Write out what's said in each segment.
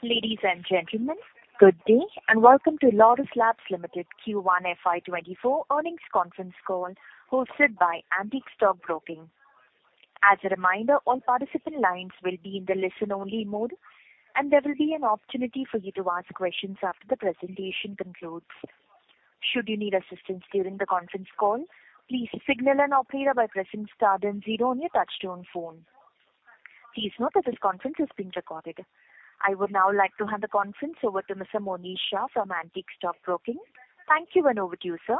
Ladies and gentlemen, good day, and welcome to Laurus Labs Limited Q1 FY 2024 earnings conference call, hosted by Antique Stock Broking. As a reminder, all participant lines will be in the listen-only mode, and there will be an opportunity for you to ask questions after the presentation concludes. Should you need assistance during the conference call, please signal an operator by pressing star then zero on your touchtone phone. Please note that this conference is being recorded. I would now like to hand the conference over to Mr. Manish Shah from Antique Stock Broking. Thank you, and over to you, sir.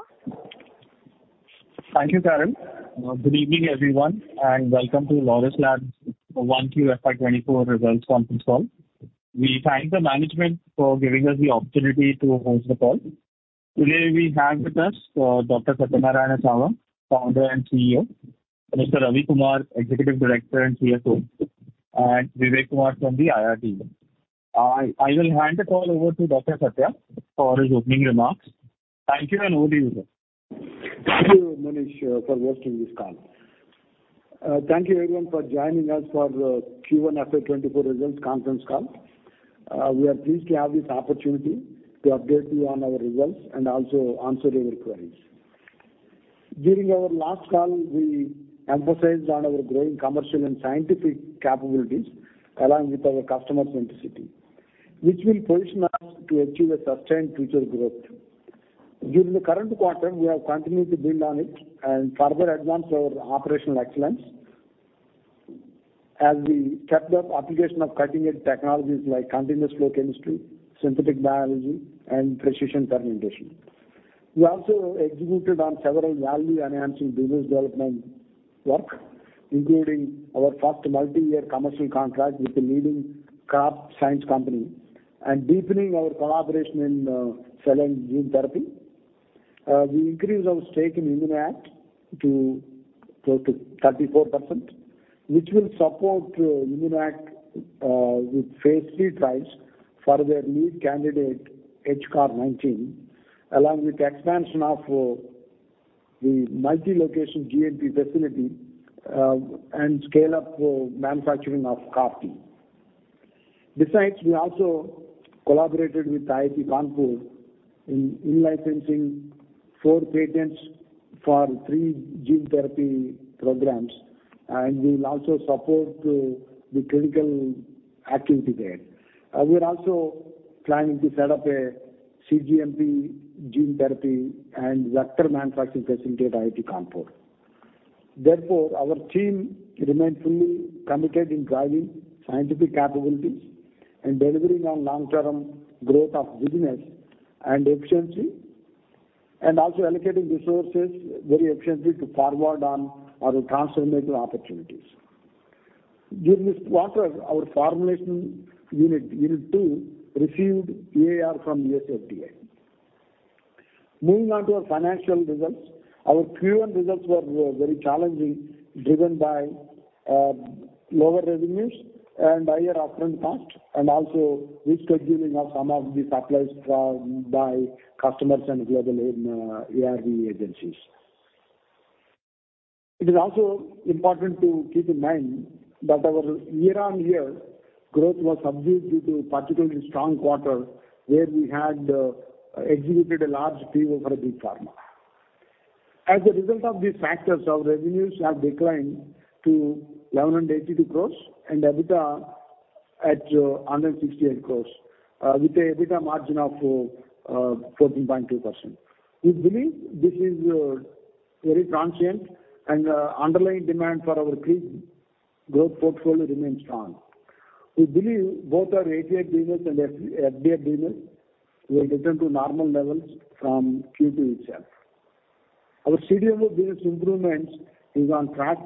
Thank you, Karen. good evening, everyone, and welcome to Laurus Labs 1Q FY 2024 results conference call. We thank the management for giving us the opportunity to host the call. Today, we have with us, Dr. Satyanarayana Chava, Founder and CEO; Mr. Ravi Kumar, Executive Director and CFO; and Vivek Kumar from the IR team. I will hand the call over to Dr. Satya for his opening remarks. Thank you, and over to you, sir. Thank you, Manish, for hosting this call. Thank you, everyone, for joining us for the Q1 FY 2024 results conference call. We are pleased to have this opportunity to update you on our results and also answer your queries. During our last call, we emphasized on our growing commercial and scientific capabilities, along with our customer centricity, which will position us to achieve a sustained future growth. During the current quarter, we have continued to build on it and further advance our operational excellence. As we stepped up application of cutting-edge technologies like continuous flow chemistry, synthetic biology, and precision fermentation. We also executed on several value-enhancing business development work, including our first multi-year commercial contract with the leading crop science company, and deepening our collaboration in cell and gene therapy. We increased our stake in ImmunoACT to 34%, which will support ImmunoACT with phase III trials for their lead candidate, HCAR19, along with expansion of the multi-location GMP facility and scale-up for manufacturing of CAR-T. We also collaborated with IIT Kanpur in licensing for patents for three gene therapy programs, and we will also support the clinical activity there. We are also planning to set up a cGMP gene therapy and vector manufacturing facility at IIT Kanpur. Our team remains fully committed in driving scientific capabilities and delivering on long-term growth of business and efficiency, and also allocating resources very efficiently to forward on our transformative opportunities. During this quarter, our formulation unit 2, received EIR from U.S. FDA. Moving on to our financial results. Our Q1 results were very challenging, driven by lower revenues and higher upfront costs, and also rescheduling of some of the supplies by customers and global ARV agencies. It is also important to keep in mind that our year-on-year growth was subdued due to particularly strong quarter, where we had executed a large PO for a big pharma. As a result of these factors, our revenues have declined to 1,182 crores and EBITDA at 168 crores, with a EBITDA margin of 14.2%. We believe this is very transient and underlying demand for our key growth portfolio remains strong. We believe both our API business and FDF business will return to normal levels from Q2 itself. Our CDMO business improvements is on track,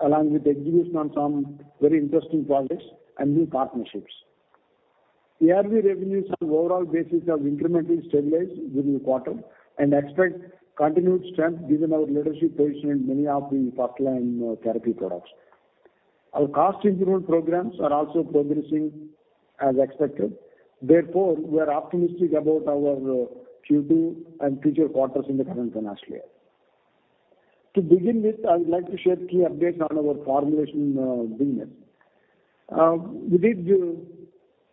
along with execution on some very interesting products and new partnerships. ARV revenues on overall basis have incrementally stabilized during the quarter, and expect continued strength given our leadership position in many of the first-line therapy products. Our cost improvement programs are also progressing as expected. We are optimistic about our Q2 and future quarters in the current financial year. To begin with, I would like to share key updates on our formulation business. We did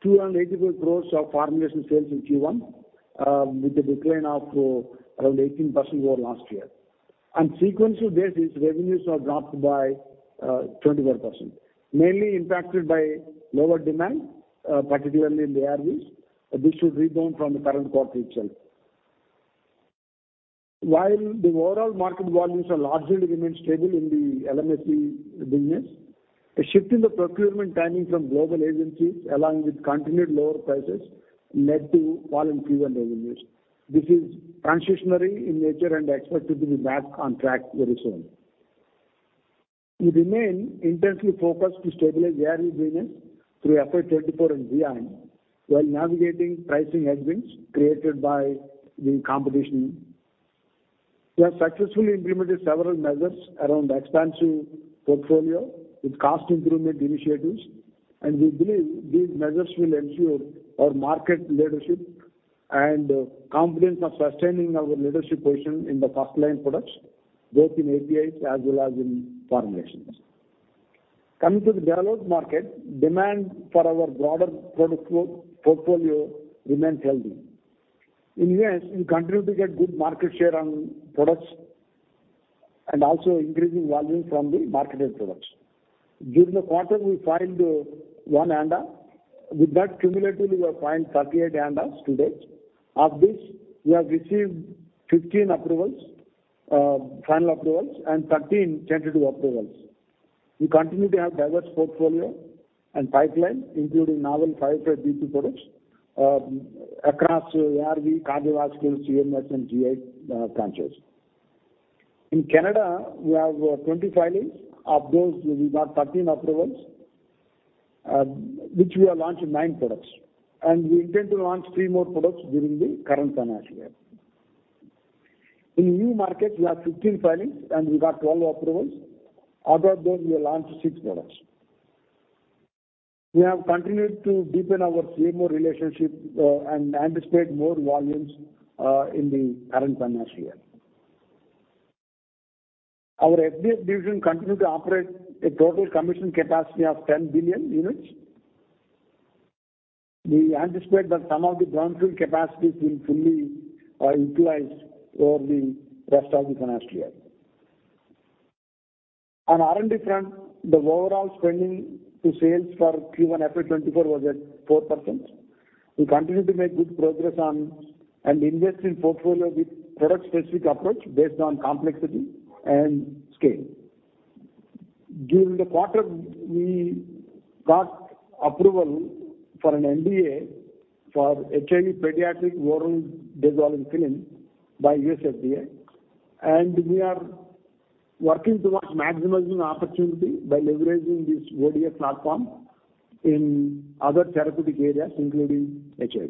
284 crores of formulation sales in Q1 with a decline of around 18% over last year. On sequential basis, revenues are dropped by 24%, mainly impacted by lower demand particularly in ARVs. This should rebound from the current quarter itself. The overall market volumes are largely remained stable in the LMIC business, a shift in the procurement timing from global agencies, along with continued lower prices, led to fall in Q1 revenues. This is transitionary in nature and expected to be back on track very soon. We remain intensely focused to stabilize ARV business through FY 2024 and beyond, while navigating pricing headwinds created by the competition. We have successfully implemented several measures around expansive portfolio with cost improvement initiatives, and we believe these measures will ensure our market leadership and confidence of sustaining our leadership position in the first-line products, both in APIs as well as in formulations. Coming to the developed market, demand for our broader product portfolio remains healthy. In U.S., we continue to get good market share on products, and also increasing volumes from the marketed products. During the quarter, we filed one ANDA. With that, cumulatively, we have filed 38 ANDAs to date. Of this, we have received 15 approvals, final approvals, and 13 tentative approvals. We continue to have diverse portfolio and pipeline, including novel purified BP products, across ARV, cardiovascular, CNS, and GI branches. In Canada, we have 20 filings. Of those, we got 13 approvals, which we have launched nine products, we intend to launch three more products during the current financial year. In EU markets, we have 15 filings, we got 12 approvals. Out of those, we have launched six products. We have continued to deepen our CMO relationship, anticipate more volumes in the current financial year. Our FDF division continue to operate a total commission capacity of 10 billion units. We anticipate that some of the brownfield capacities will fully utilize over the rest of the financial year. On R&D front, the overall spending to sales for Q1 FY 2024 was at 4%. We continue to make good progress on and invest in portfolio with product-specific approach based on complexity and scale. During the quarter, we got approval for an NDA for HIV pediatric Oral Dispersible Film by U.S. FDA. We are working towards maximizing opportunity by leveraging this ODF platform in other therapeutic areas, including HIV.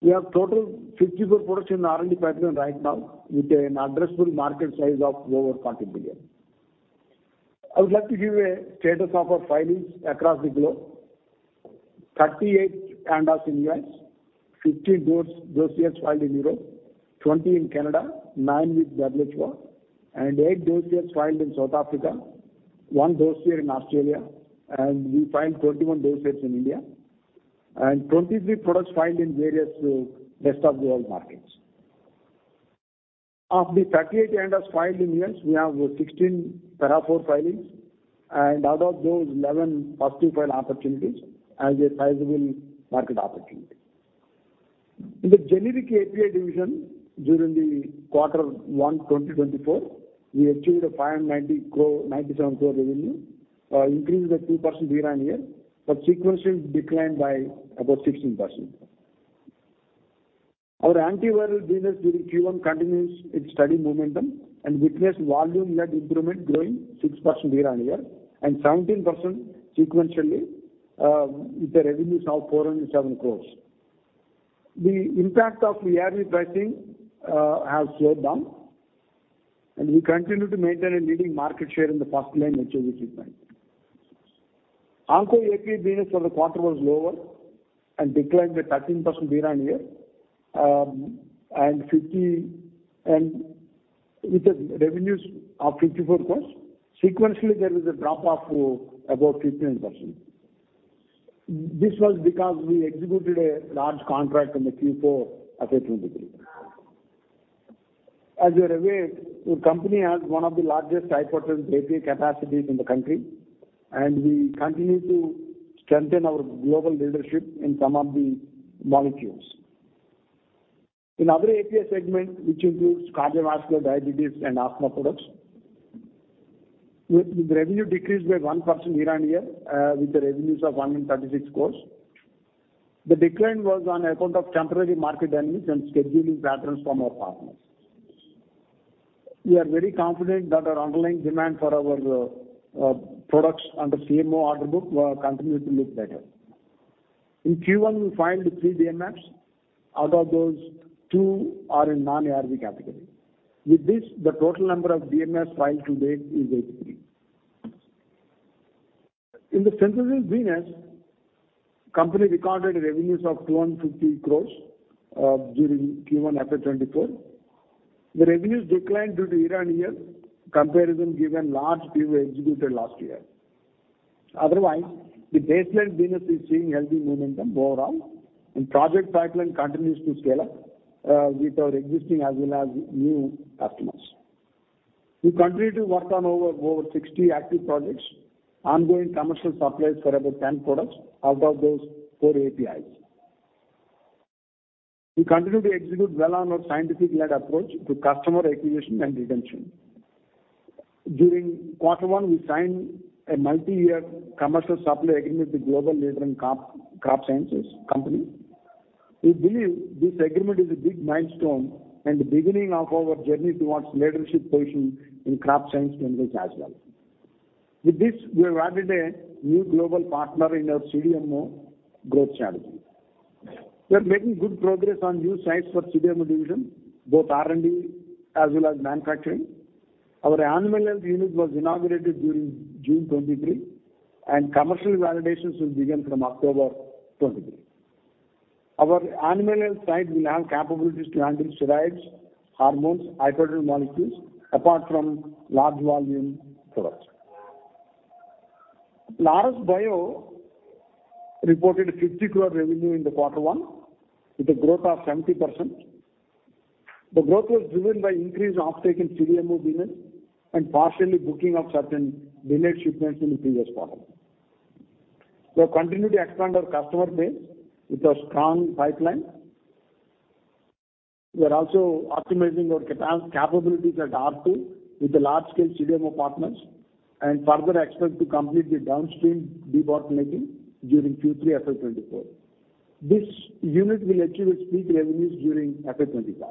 We have total 54 products in R&D pipeline right now, with an addressable market size of over 40 billion. I would like to give a status of our filings across the globe. 38 ANDAs in U.S., 15 dossiers filed in Europe, 20 in Canada, nine with WHO. eight dossiers filed in South Africa, one dossier in Australia. We filed 21 dossiers in India, 23 products filed in various rest of the world markets. Of the 38 ANDAs filed in U.S., we have 16 Para IV filings, and out of those, 11 First-to-File opportunities as a sizable market opportunity. In the Generic API division, during the quarter one 2024, we achieved a 590 crore, 97 crore revenue, increase by 2% year-on-year, but sequentially declined by about 16%. Our antiviral business during Q1 continues its steady momentum and witnessed volume-led improvement, growing 6% year-on-year and 17% sequentially, with the revenues of 407 crore. The impact of ARV pricing has slowed down, and we continue to maintain a leading market share in the first-line HIV treatment. Onco API business for the quarter was lower and declined by 13% year-on-year, and with the revenues of 54 crore. Sequentially, there is a drop-off to about 15%. This was because we executed a large contract in the Q4 of 2023. As you're aware, the company has one of the largest high-potency API capacities in the country, and we continue to strengthen our global leadership in some of the molecules. In other API segment, which includes cardiovascular, diabetes, and asthma products, the revenue decreased by 1% year-on-year, with the revenues of 136 crores. The decline was on account of temporary market dynamics and scheduling patterns from our partners. We are very confident that our underlying demand for our products under CMO order book will continue to look better. In Q1, we filed three DMFs. Out of those, two are in non-ARV category. With this, the total number of DMFs filed to date is 83. In the synthesis business, company recorded revenues of 250 crores during Q1 FY 2024. The revenues declined due to year-on-year comparison, given large deals were executed last year. Otherwise, the baseline business is seeing healthy momentum overall, and project pipeline continues to scale up with our existing as well as new customers. We continue to work on over 60 active projects, ongoing commercial supplies for about 10 products. Out of those, four APIs. We continue to execute well on our scientific-led approach to customer acquisition and retention. During quarter one, we signed a multi-year commercial supply agreement with global leader in crop sciences company. We believe this agreement is a big milestone and the beginning of our journey towards leadership position in crop science ventures as well. With this, we have added a new global partner in our CDMO growth strategy. We are making good progress on new sites for CDMO division, both R&D as well as manufacturing. Our animal health unit was inaugurated during June 2023, and commercial validations will begin from October 2023. Our animal health site will have capabilities to handle steroids, hormones, high-pressure molecules, apart from large volume products. Laurus Bio reported 50 crore revenue in the quarter one, with a growth of 70%. The growth was driven by increased uptake in CDMO business and partially booking of certain delayed shipments in the previous quarter. We have continued to expand our customer base with a strong pipeline. We are also optimizing our capabilities at R2 with the large-scale CDMO partners, and further expect to complete the downstream debottlenecking during Q3 FY 2024. This unit will achieve its peak revenues during FY 2025.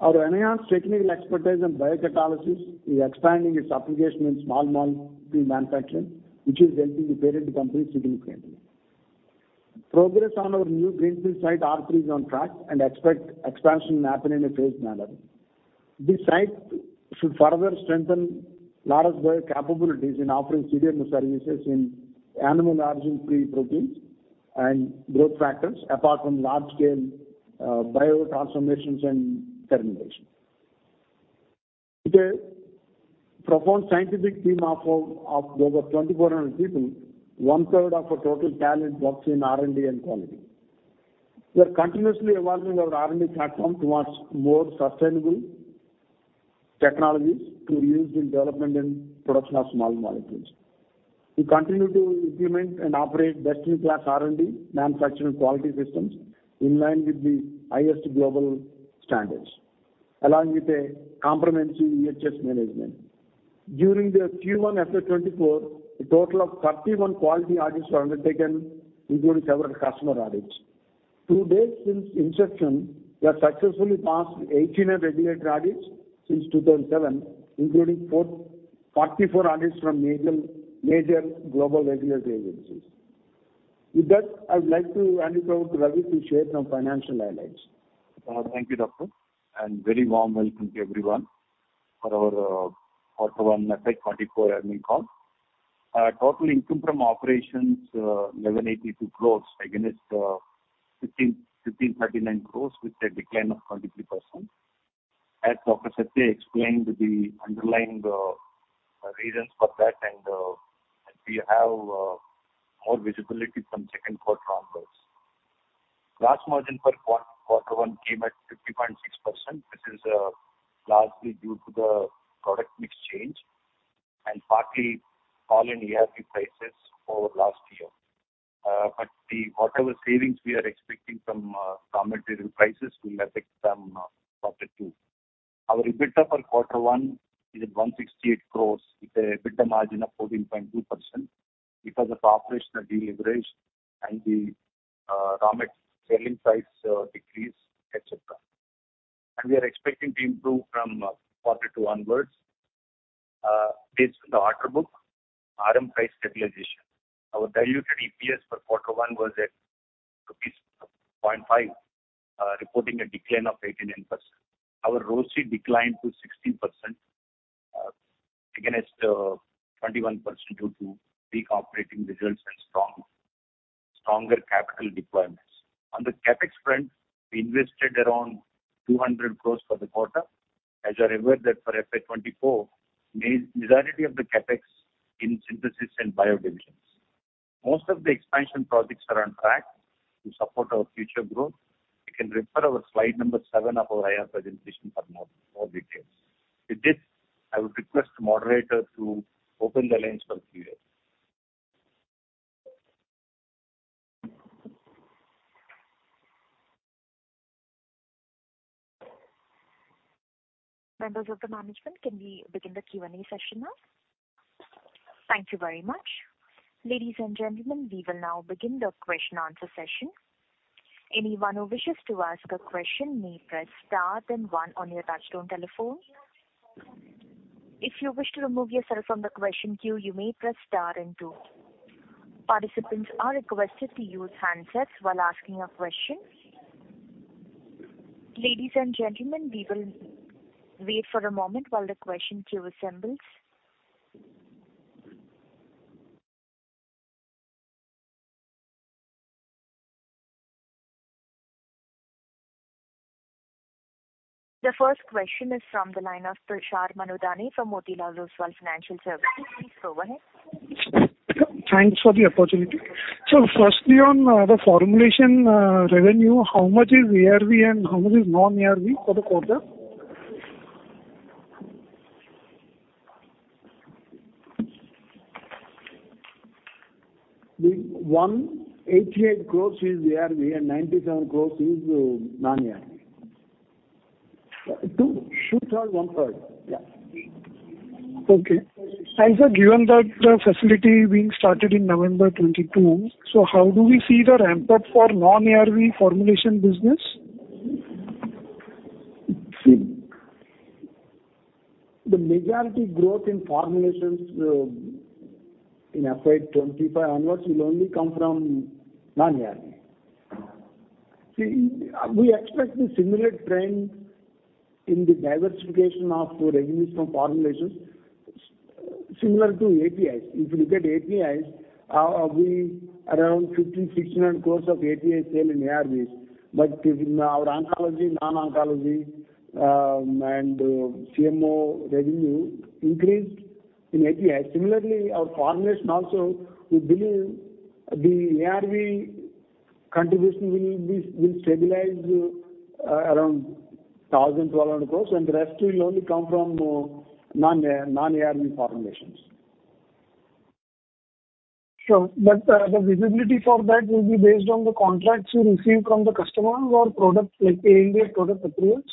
Our enhanced technical expertise and biocatalysis is expanding its application in small molecule manufacturing, which is helping the parent company significantly. Progress on our new greenfield site, R3, is on track, and expect expansion to happen in a phased manner. This site should further strengthen large bio capabilities in offering CDMO services in animal origin-free proteins and growth factors, apart from large-scale biotransformations and fermentation. With a profound scientific team of over 2,400 people, 1/3 of our total talent works in R&D and quality. We are continuously evolving our R&D platform towards more sustainable technologies to use in development and production of small molecules. We continue to implement and operate best-in-class R&D, manufacturing, and quality systems in line with the highest global standards, along with a comprehensive EHS management. During the Q1 FY 2024, a total of 31 quality audits were undertaken, including several customer audits. To date, since inception, we have successfully passed 18 regulator audits since 2007, including 44 audits from major global regulatory agencies. With that, I would like to hand it over to Ravi to share some financial highlights. Thank you, Doctor, very warm welcome to everyone for our quarter one FY 2024 earning call. Our total income from operations, 1,182 crores, against 1,539 crores, with a decline of 23%. As Dr. Satya explained the underlying reasons for that, we have more visibility from second quarter onwards. Gross margin for quarter one came at 50.6%, which is largely due to the product mix change and partly fall in ARV prices over last year. Whatever savings we are expecting from raw material prices will affect from quarter two. Our EBITDA for quarter one is at 168 crores, with a EBITDA margin of 14.2% because of operational deleverage and the raw mat selling price decrease, et cetera. We are expecting to improve from quarter two onwards, based on the order book, RM price stabilization. Our diluted EPS for quarter one was at 0.5, reporting a decline of 18%. Our ROCE declined to 16% against 21%, due to weak operating results and stronger capital deployments. On the CapEx front, we invested around 200 crores for the quarter. As I referred that for FY 2024, majority of the CapEx in synthesis and bio divisions. Most of the expansion projects are on track to support our future growth. You can refer our slide number seven of our IR presentation for more details. With this, I would request the moderator to open the lines for Q&A. Members of the management, can we begin the Q&A session now? Thank you very much. Ladies and gentlemen, we will now begin the question and answer session. Anyone who wishes to ask a question may press star then one on your touchtone telephone. If you wish to remove yourself from the question queue, you may press star then two. Participants are requested to use handsets while asking a question. Ladies and gentlemen, we will wait for a moment while the question queue assembles. The first question is from the line of Tushar Manudhane from Motilal Oswal Financial Services. Please go ahead. Thanks for the opportunity. firstly, on the formulation revenue, how much is ARV and how much is non-ARV for the quarter? The INR 188 crores is ARV and INR 97 crores is non-ARV. 2/3, 1/3. Yeah. Okay. Sir, given that the facility being started in November 2022, how do we see the ramp up for non-ARV formulation business? See, the majority growth in formulations in FY 2025 onwards will only come from non-ARV. See, we expect the similar trend in the diversification of the revenues from formulations similar to APIs. If you look at APIs, we around 50- 69 crore of API sale in ARVs. In our oncology, non-oncology, and CMO revenue increased in API. Similarly, our formulation also, we believe the ARV contribution will stabilize around 1,000-1,200 crore, and the rest will only come from non-ARV formulations. The visibility for that will be based on the contracts you receive from the customers or products, like a product approvals?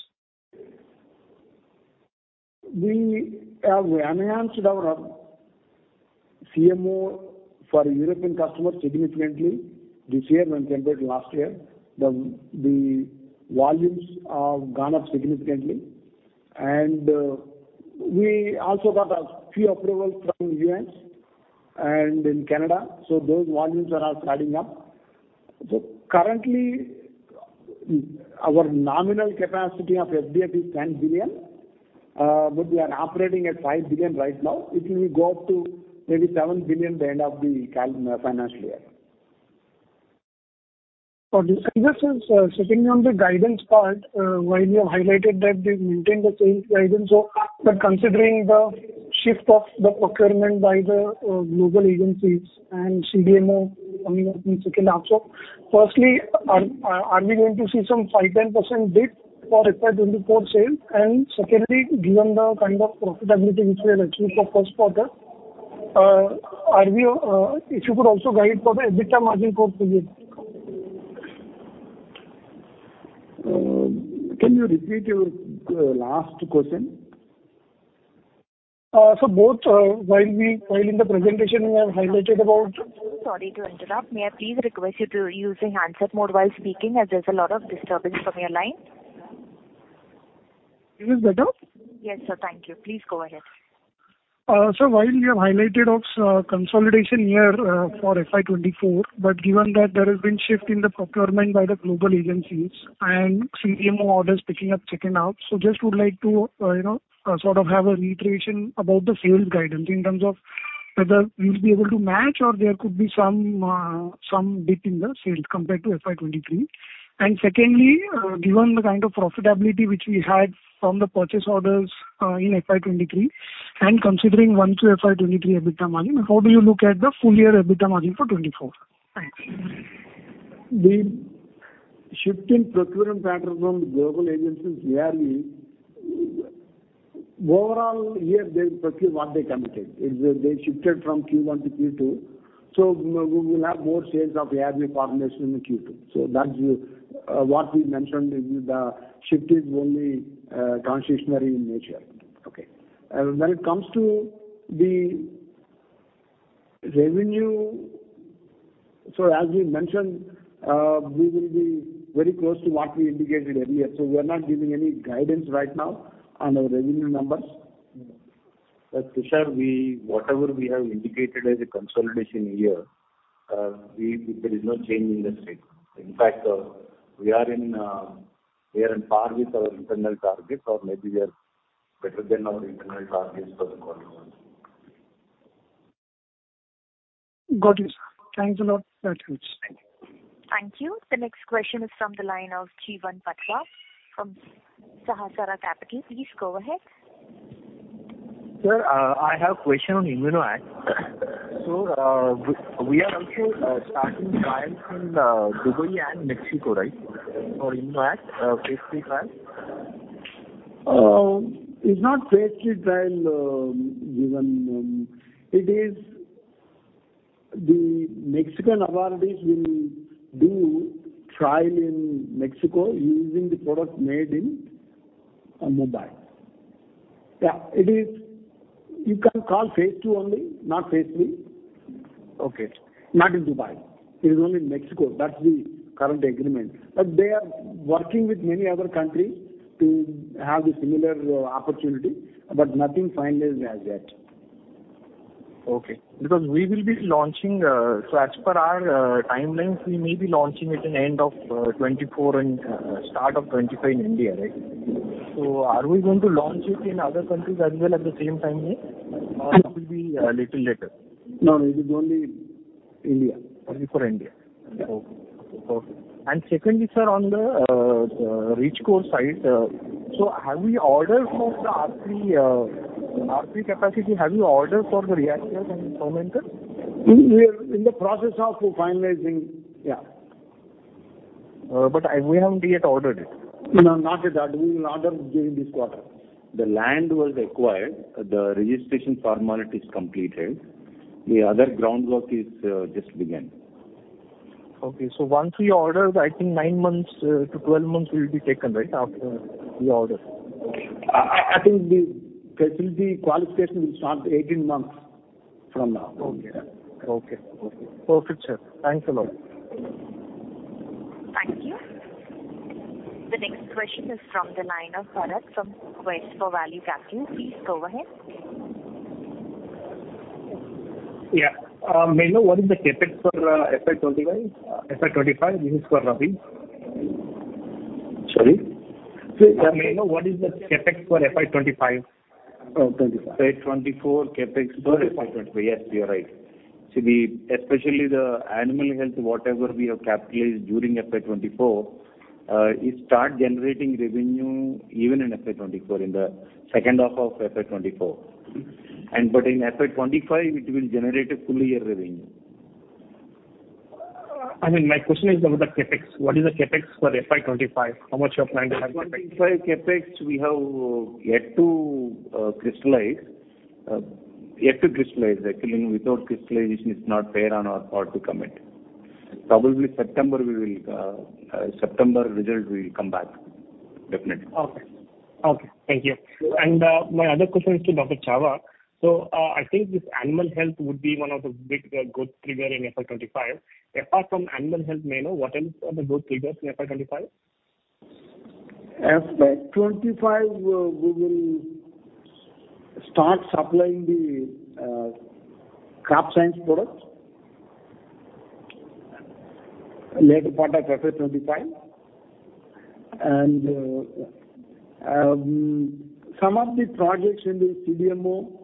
We have enhanced our CMO for European customers significantly this year when compared to last year. The volumes have gone up significantly, and we also got a few approvals from U.S. and in Canada. Those volumes are all starting up. Currently, our nominal capacity of FDF is 10 billion, but we are operating at five billion right now. It will go up to maybe seven billion by the end of the financial year. Just sitting on the guidance part, while you have highlighted that we've maintained the same guidance. But considering the shift of the procurement by the global agencies and CDMO coming up in second half, firstly, are we going to see some 5%-10% dip for FY 2024 sales? Secondly, given the kind of profitability which we have achieved for first quarter, if you could also guide for the EBITDA margin for full year? Can you repeat your last question? both, while in the presentation, we have highlighted about. Sorry to interrupt. May I please request you to use a handset mode while speaking, as there's a lot of disturbance from your line? Is this better? Yes, sir. Thank you. Please go ahead. While you have highlighted of consolidation year for FY 2024, but given that there has been shift in the procurement by the global agencies and CDMO orders picking up, second half, so just would like to, you know, sort of have a reiteration about the sales guidance in terms of whether you'll be able to match or there could be some dip in the sales compared to FY 2023. Secondly, given the kind of profitability which we had from the purchase orders in FY 2023, and considering one to FY 2023 EBITDA margin, how do you look at the full year EBITDA margin for 2024? Thanks. The shift in procurement pattern from the global agencies yearly, overall, here, they purchase what they committed. It's they shifted from Q1 to Q2, we will have more sales of ARV formulation in the Q2. That's what we mentioned, is the shift is only transitionary in nature. Okay. When it comes to the revenue, as we mentioned, we will be very close to what we indicated earlier, so we are not giving any guidance right now on our revenue numbers. Tushar, whatever we have indicated as a consolidation year, there is no change in the state. In fact, we are in, we are on par with our internal targets, or maybe we are better than our internal targets for the quarter. Got it, sir. Thanks a lot. Thank you. The next question is from the line of Jeevan Patwa from Sahasrar Capital. Please go ahead. Sir, I have a question on ImmunoACT. We are also starting trials in Dubai and Mexico, right? For ImmunoACT phase III trial. It's not phase III trial. It is the Mexican authorities will do trial in Mexico using the product made in Mumbai. You can call phase II only, not phase III. Okay. Not in Dubai. It is only in Mexico. That's the current agreement. They are working with many other countries to have a similar opportunity, but nothing finalized as yet. Okay. We will be launching. As per our timelines, we may be launching it in end of 2024 and start of 2025 in India, right? Are we going to launch it in other countries as well at the same time frame? Yes. It will be a little later? No, it is only India. Only for India. Yeah. Okay. Secondly, sir, on the Richcore side, have we orders for the R3 capacity? Have you orders for the reactors and fermenter? We are in the process of finalizing, yeah. We haven't yet ordered it? No, not yet. We will order during this quarter. The land was acquired, the registration formality is completed. The other groundwork is just began. Okay. once we order, I think nine months to 12 months will be taken, right, after the order? I think this will be qualification will start 18 months from now. Okay. Okay. Perfect, sir. Thanks a lot. Thank you. The next question is from the line of Bharat from Quest for Value Capital. Please go ahead. Yeah. May I know, what is the CapEx for FY 2021, FY 2025? This is for Ravi. Sorry? What is the CapEx for FY 2025? 25. FY 2024 CapEx for FY 2025. Yes, you're right. See, especially the animal health, whatever we have capitalized during FY 2024, it start generating revenue even in FY 2024, in the second half of FY 2024. In FY 2025, it will generate a full year revenue. I mean, my question is about the CapEx. What is the CapEx for FY 25? How much you're planning to have CapEx? INR 25 CapEx, we have yet to crystallize. Actually, without crystallization, it's not fair on our part to commit. September results will come back, definitely. Okay. Okay, thank you. My other question is to Dr. Chava. I think this animal health would be one of the big growth trigger in FY 2025. Apart from animal health, may know what else are the growth triggers in FY 2025? FY 25, we will start supplying the crop science product later part of FY 25. Some of the projects in the CDMO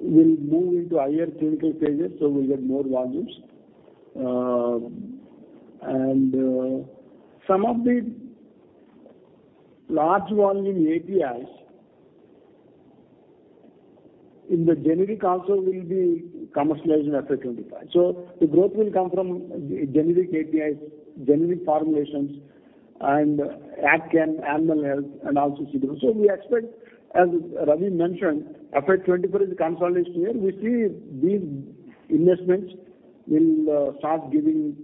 will move into higher clinical phases, so we'll get more volumes. Some of the large volume APIs in the generic also will be commercialized in FY 25. The growth will come from generic APIs, generic formulations, and Advance animal health and also CDMO. We expect, as Ravi mentioned, FY 24 is a consolidation year. We see these investments will start giving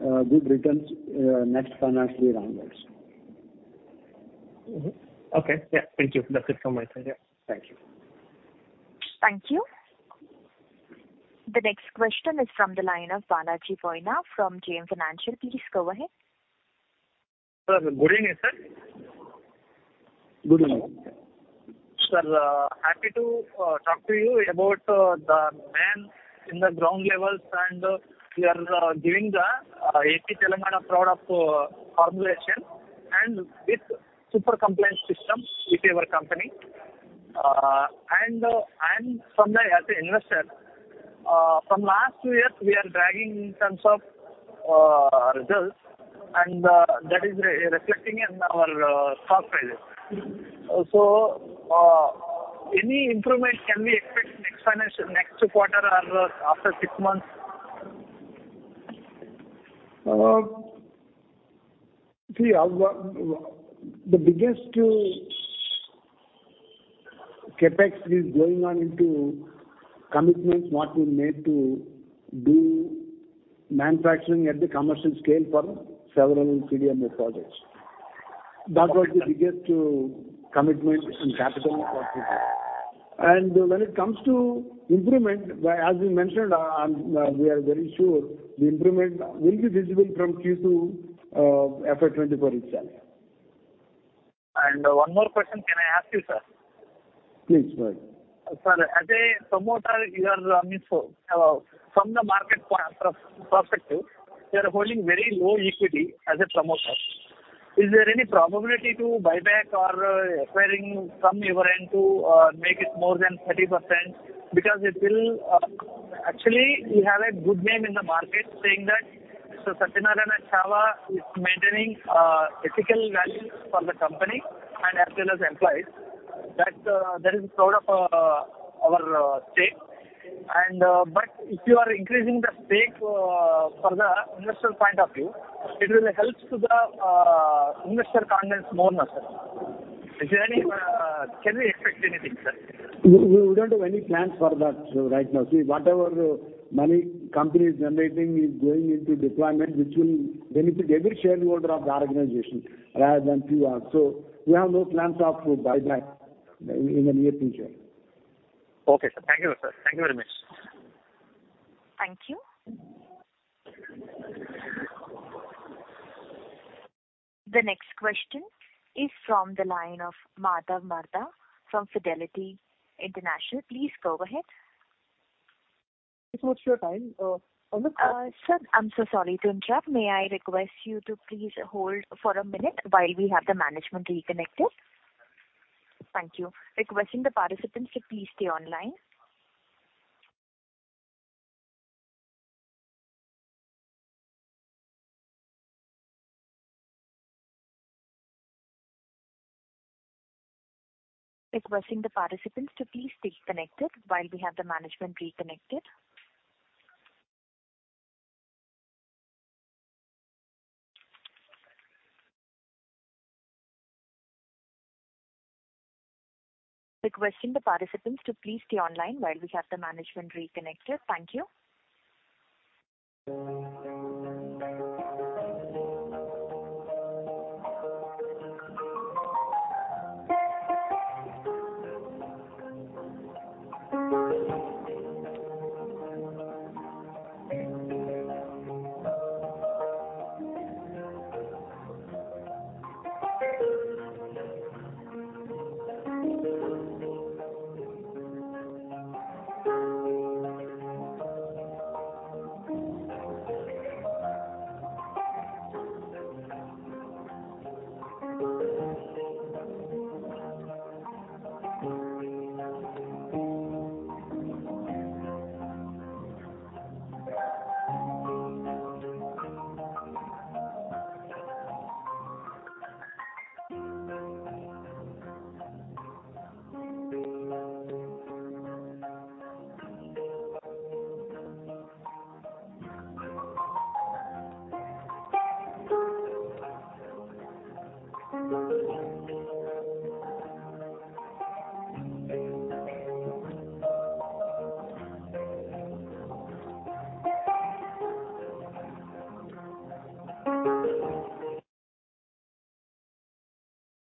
good returns next financial year onwards. Okay. Yeah. Thank you. That's it from my side. Yeah. Thank you. Thank you. The next question is from the line of Balaji Boina from JM Financial. Please go ahead. Sir, good evening, sir. Good evening. Sir, happy to talk to you about the man in the ground levels, and we are giving the AP Telangana product formulation and with super compliance system with your company. I'm from the, as an investor, from last two years, we are dragging in terms of results, and that is reflecting in our stock prices. Any improvement can be expected next financial, next quarter or after six months? See, the biggest CapEx is going on into commitments what we made to do manufacturing at the commercial scale for several CDMO projects. That was the biggest commitment in capital. When it comes to improvement, as we mentioned, we are very sure the improvement will be visible from Q2, FY 2024 itself. One more question, can I ask you, sir? Please, go ahead. Sir, as a promoter, you are, I mean, from the market point of perspective, you are holding very low equity as a promoter. Is there any probability to buyback or acquiring from your end to make it more than 30%? Because it will. Actually, you have a good name in the market, saying that Satyanarayana Chava is maintaining ethical values for the company and as well as employees, that that is proud of our stake. But if you are increasing the stake for the investor point of view, it will helps to the investor confidence more now, sir. Is there any, can we expect anything, sir? We don't have any plans for that right now. See, whatever money company is generating is going into deployment, which will benefit every shareholder of the organization rather than few of us. We have no plans of buyback in the near future. Okay, sir. Thank you, sir. Thank you very much. Thank you. The next question is from the line of Madhav Marda from Fidelity International. Please go ahead. It's your time. Sir, I'm so sorry to interrupt. May I request you to please hold for a minute while we have the management reconnected? Thank you. Requesting the participants to please stay online. Requesting the participants to please stay connected while we have the management reconnected. Requesting the participants to please stay online while we have the management reconnected. Thank you.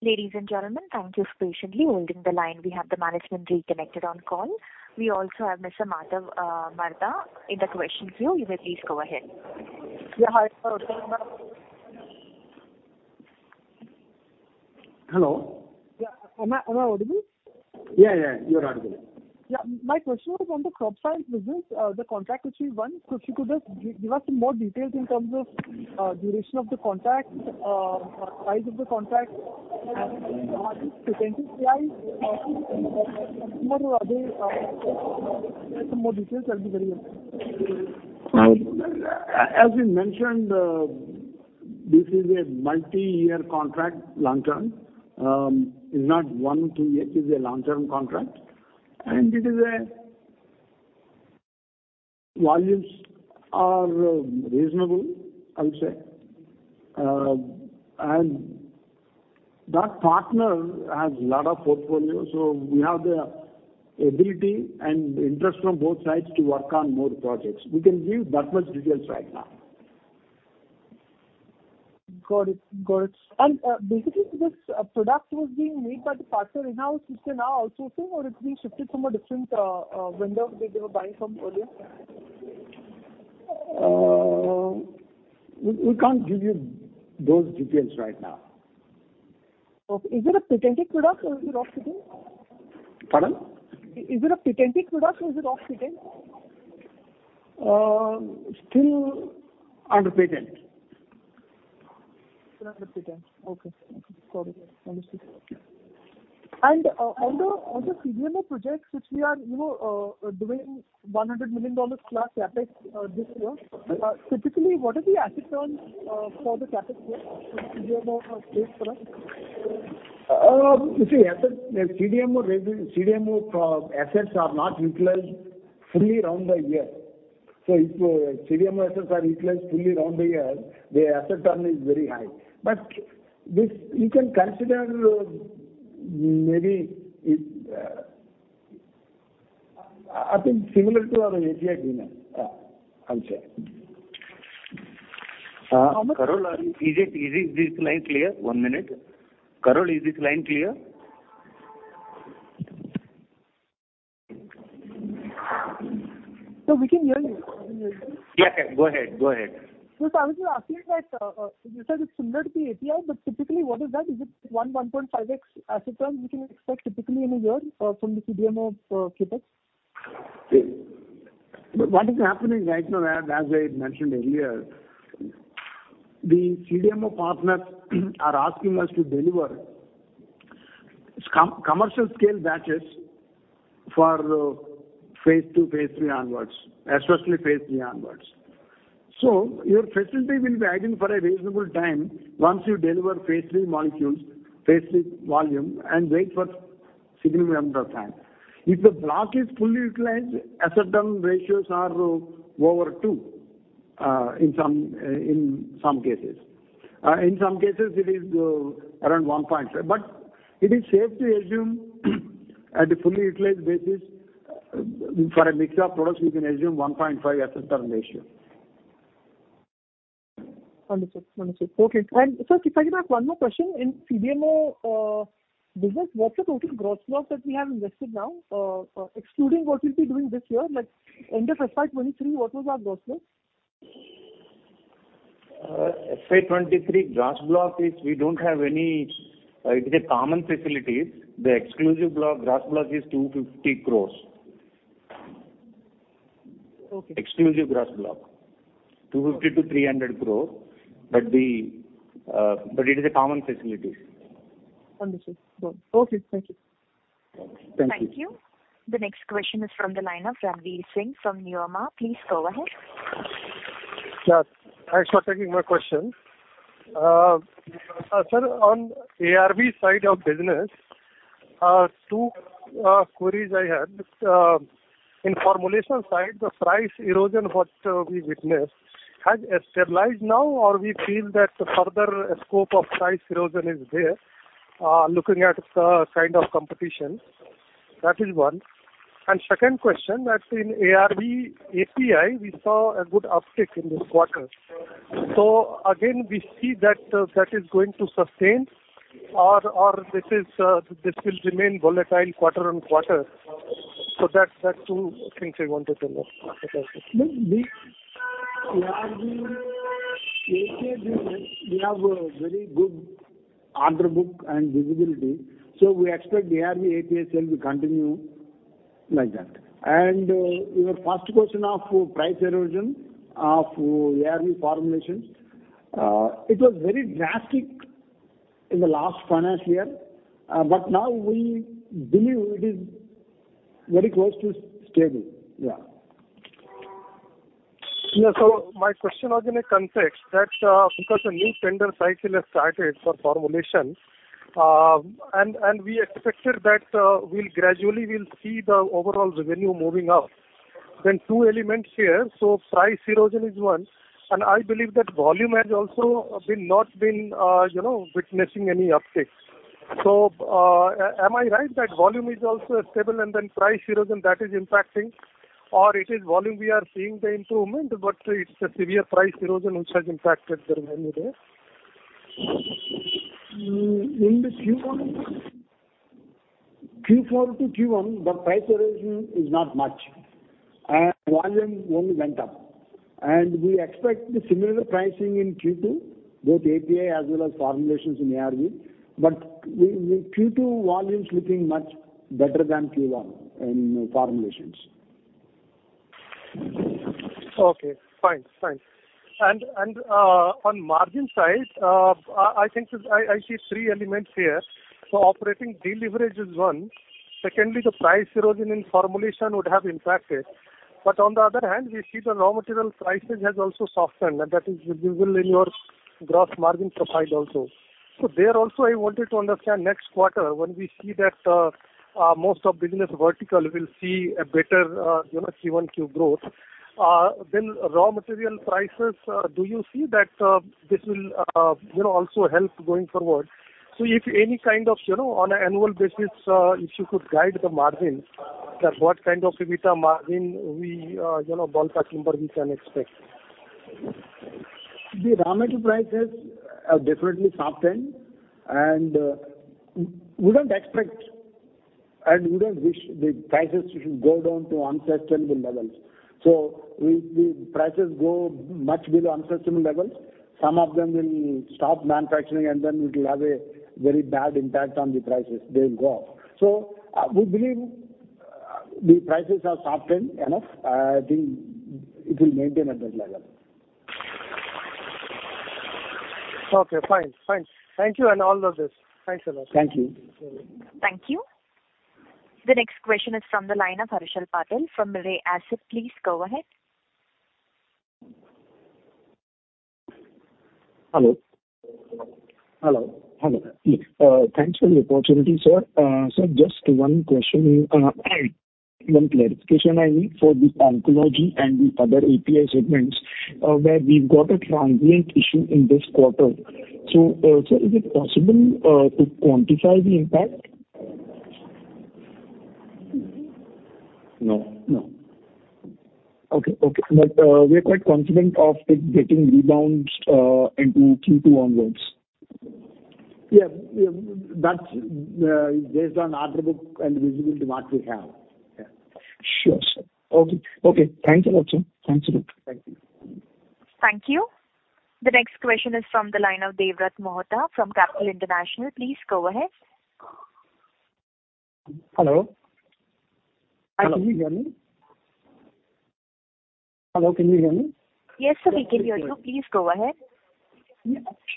Ladies and gentlemen, thank you for patiently holding the line. We have the management reconnected on call. We also have Mr. Madhav Mardha in the question queue. You may please go ahead. Yeah, Hello? Yeah. Am I audible? Yeah, you are audible. Yeah. My question was on the crop science business, the contract which we won. If you could just give us some more details in terms of, duration of the contract, size of the contract, potential size, or some other, some more details that'll be very helpful. As we mentioned, this is a multi-year contract, long term. It's not one, two years, it's a long-term contract, and volumes are reasonable, I'll say. That partner has a lot of portfolio, so we have the ability and interest from both sides to work on more projects. We can give that much details right now. Got it. Got it. Basically this product was being made by the partner in-house, which they're now also seeing, or it's being shifted from a different vendor they were buying from earlier? We can't give you those details right now. Okay. Is it a patented product or is it off-patent? Pardon? Is it a patented product or is it off-patent? still under patent. Under patent. Okay. Got it. Understood. On the CDMO projects, which we are, you know, doing $100 million plus CapEx, this year, typically, what is the asset turn for the CapEx year for CDMO product? You see, asset, CDMO, assets are not utilized fully around the year. If CDMO assets are utilized fully around the year, the asset turn is very high. This you can consider maybe it, I think similar to our API business, I'll say. Karul, is it, is this line clear? One minute. Karan, is this line clear? No, we can hear you. Yeah, go ahead. Go ahead. I was just asking that, you said it's similar to the API, but typically, what is that? Is it 1-1.5x asset turn we can expect typically in a year from the CDMO CapEx? What is happening right now, as I mentioned earlier, the CDMO partners are asking us to deliver commercial scale batches for phase II, phase III onwards, especially phase three onwards. Your facility will be idle for a reasonable time once you deliver phase three molecules, phase three volume, and wait for significant amount of time. If the block is fully utilized, asset turn ratios are over two in some cases. In some cases it is around one point, but it is safe to assume at a fully utilized basis for a mix of products, we can assume 1.5 asset turn ratio. Understood. Understood. Okay. Sir, if I can ask one more question. In CDMO business, what's the total gross block that we have invested now, excluding what we'll be doing this year, but end of FY 2023, what was our gross block? FY 2023 gross block is we don't have any, it is a common facilities. The exclusive block, gross block is 250 crores. Okay. Exclusive gross block, 250 crore-300 crore, but it is a common facilities. Understood. Okay, thank you. Thank you. Thank you. The next question is from the line of Ranvir Singh from Nuvama. Please go ahead. Yeah, thanks for taking my question. Sir, on ARB side of business, two queries I had. In formulation side, the price erosion what we witnessed, has it stabilized now, or we feel that further scope of price erosion is there, looking at the kind of competition? That is one. Second question, that in ARB API, we saw a good uptick in this quarter. Again, we see that that is going to sustain or this is, this will remain volatile quarter on quarter. That's two things I wanted to know. The ARV... We have a very good order book and visibility, so we expect ARV API sales to continue like that. Your first question of price erosion of ARV formulations, it was very drastic in the last financial year, but now we believe it is very close to stable. Yeah. Yeah. My question was in a context that, because a new tender cycle has started for formulation, and we expected that, we'll gradually will see the overall revenue moving up. Two elements here, price erosion is one, and I believe that volume has also been, not been, you know, witnessing any uptake. Am I right, that volume is also stable and then price erosion, that is impacting? Or it is volume we are seeing the improvement, but it's a severe price erosion which has impacted the revenue there? In the Q1, Q4 to Q1, the price erosion is not much. Volume only went up. We expect the similar pricing in Q2, both API as well as formulations in ARV, but Q2 volume is looking much better than Q1 in formulations. Okay, fine. Fine. On margin side, I think I see three elements here. Operating deleverage is one. Secondly, the price erosion in formulation would have impacted, but on the other hand, we see the raw material prices has also softened, and that is visible in your gross margin profile also. There also, I wanted to understand, next quarter, when we see that, most of business vertical will see a better, you know, Q1 growth, then raw material prices, do you see that, this will, you know, also help going forward? If any kind of, you know, on an annual basis, if you could guide the margin, that what kind of EBITDA margin we, you know, ballpark number we can expect? The raw material prices have definitely softened. We wouldn't expect, and we don't wish the prices should go down to unsustainable levels. If the prices go much below unsustainable levels, some of them will stop manufacturing. It will have a very bad impact on the prices. They will go up. We believe the prices have softened, you know. I think it will maintain at that level. Okay, fine. Fine. Thank you, and all the best. Thanks a lot. Thank you. Thank you. The next question is from the line of Harshal Patel from Mirae Asset. Please go ahead. Hello. Hello, hello. Thanks for the opportunity, sir. Just one question, one clarification I need for the oncology and the other API segments, where we've got a transient issue in this quarter. Sir, is it possible to quantify the impact? No, no. Okay, okay. We are quite confident of it getting rebounds into Q2 onwards. Yeah, that's based on order book and visibility what we have. Yeah. Sure, sir. Okay. Okay, thanks a lot, sir. Thanks a lot. Thank you. Thank you. The next question is from the line of Devvrat Mohta from Capital Group. Please go ahead. Hello? Hello. Can you hear me? Hello, can you hear me? Yes, sir, we can hear you. Please go ahead.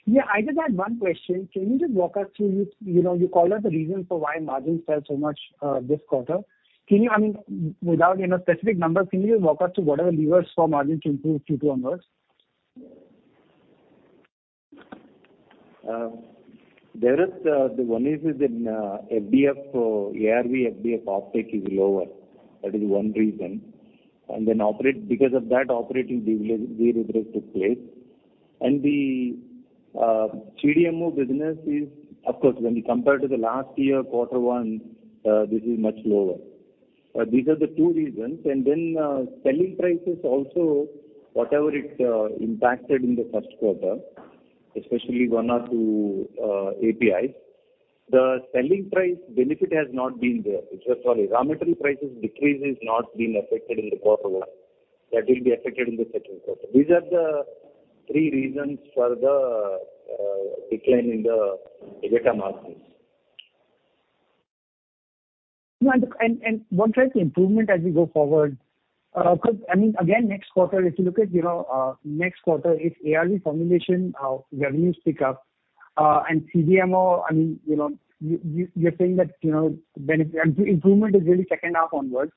Yeah, I just had one question. Can you just walk us through, you know, you called out the reasons for why margins fell so much this quarter? Can you, I mean, without, you know, specific numbers, can you just walk us through whatever levers for margin to improve Q2 onwards? Devvrat, the one is in FDF, ARV FDF opex is lower. That is one reason. Because of that, operating deleverage took place. The CDMO business is, of course, when you compare to the last year, quarter one, this is much lower. These are the two reasons. Selling prices also, whatever it impacted in the first quarter, especially one or two APIs, the selling price benefit has not been there. Sorry, raw material prices decrease is not being affected in the quarter one. That will be affected in the second quarter. These are the three reasons for the decline in the EBITDA margins. What is the improvement as we go forward? Because, I mean, again, next quarter, if you look at, you know, next quarter, if ARV formulation, revenues pick up, and CDMO, I mean, you know, you're saying that, you know, benefit, improvement is really second half onwards.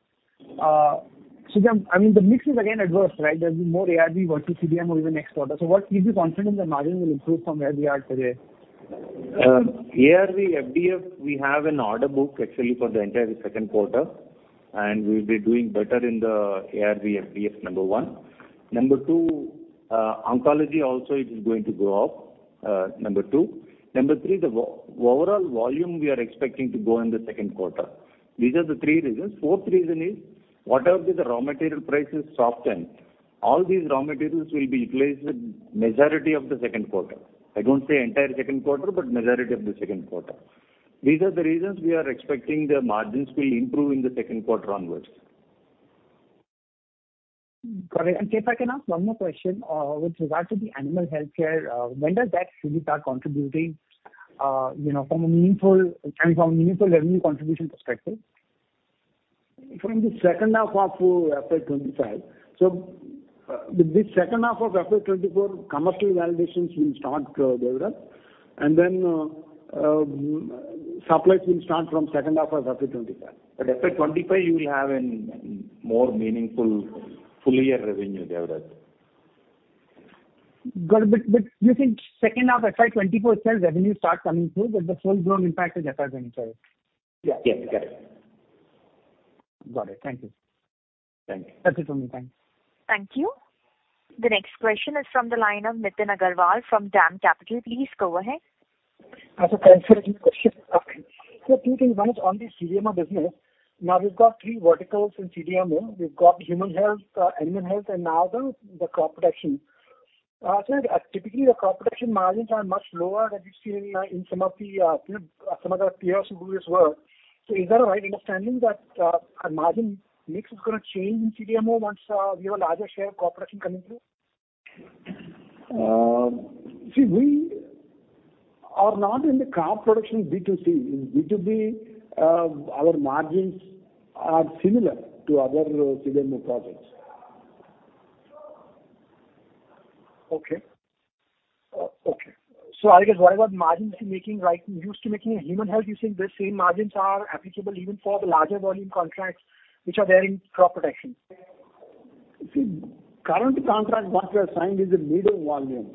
Then, I mean, the mix is again adverse, right? There'll be more ARV versus CDMO even next quarter. What gives you confidence the margin will improve from where we are today? ARV FDF, we have an order book actually for the entire second quarter, and we'll be doing better in the ARV FDF, number one. Number two, oncology also, it is going to go up, number two. Number three, the overall volume we are expecting to grow in the second quarter. These are the three reasons. Fourth reason is, whatever the raw material prices softened, all these raw materials will be placed with majority of the second quarter. I don't say entire second quarter, but majority of the second quarter. These are the reasons we are expecting the margins will improve in the second quarter onwards. Got it. If I can ask one more question, with regard to the animal healthcare, when does that really start contributing, you know, I mean, from a meaningful revenue contribution perspective? From the second half of FY 2025. With this second half of FY 2024, commercial validations will start, Devvrat, and then supplies will start from second half of FY 2025. FY 2025, you will have an more meaningful full year revenue, Devvrat. Got it. You think second half FY 2024 itself, revenue start coming through, but the full grown impact is FY 2025. Yes, yes, correct. Got it. Thank you. Thank you. That's it for me. Thanks. Thank you. The next question is from the line of Nitin Agarwal from DAM Capital Advisors. Please go ahead. I have a question. Two things, one is on the CDMO business. Now, we've got three verticals in CDMO. We've got human health, animal health, and now the crop production. Sir, typically, the crop production margins are much lower than we've seen in some of the, some of our peers who do as well. Is that a right understanding that our margin mix is gonna change in CDMO once we have a larger share of crop production coming through? See, we are not in the crop production, B2C. In B2B, our margins are similar to other CDMO projects. Okay. Okay. I guess what about margins you're making right. You used to making in human health, you're saying the same margins are applicable even for the larger volume contracts which are there in crop protection? Current contract once we have signed is a middle volume.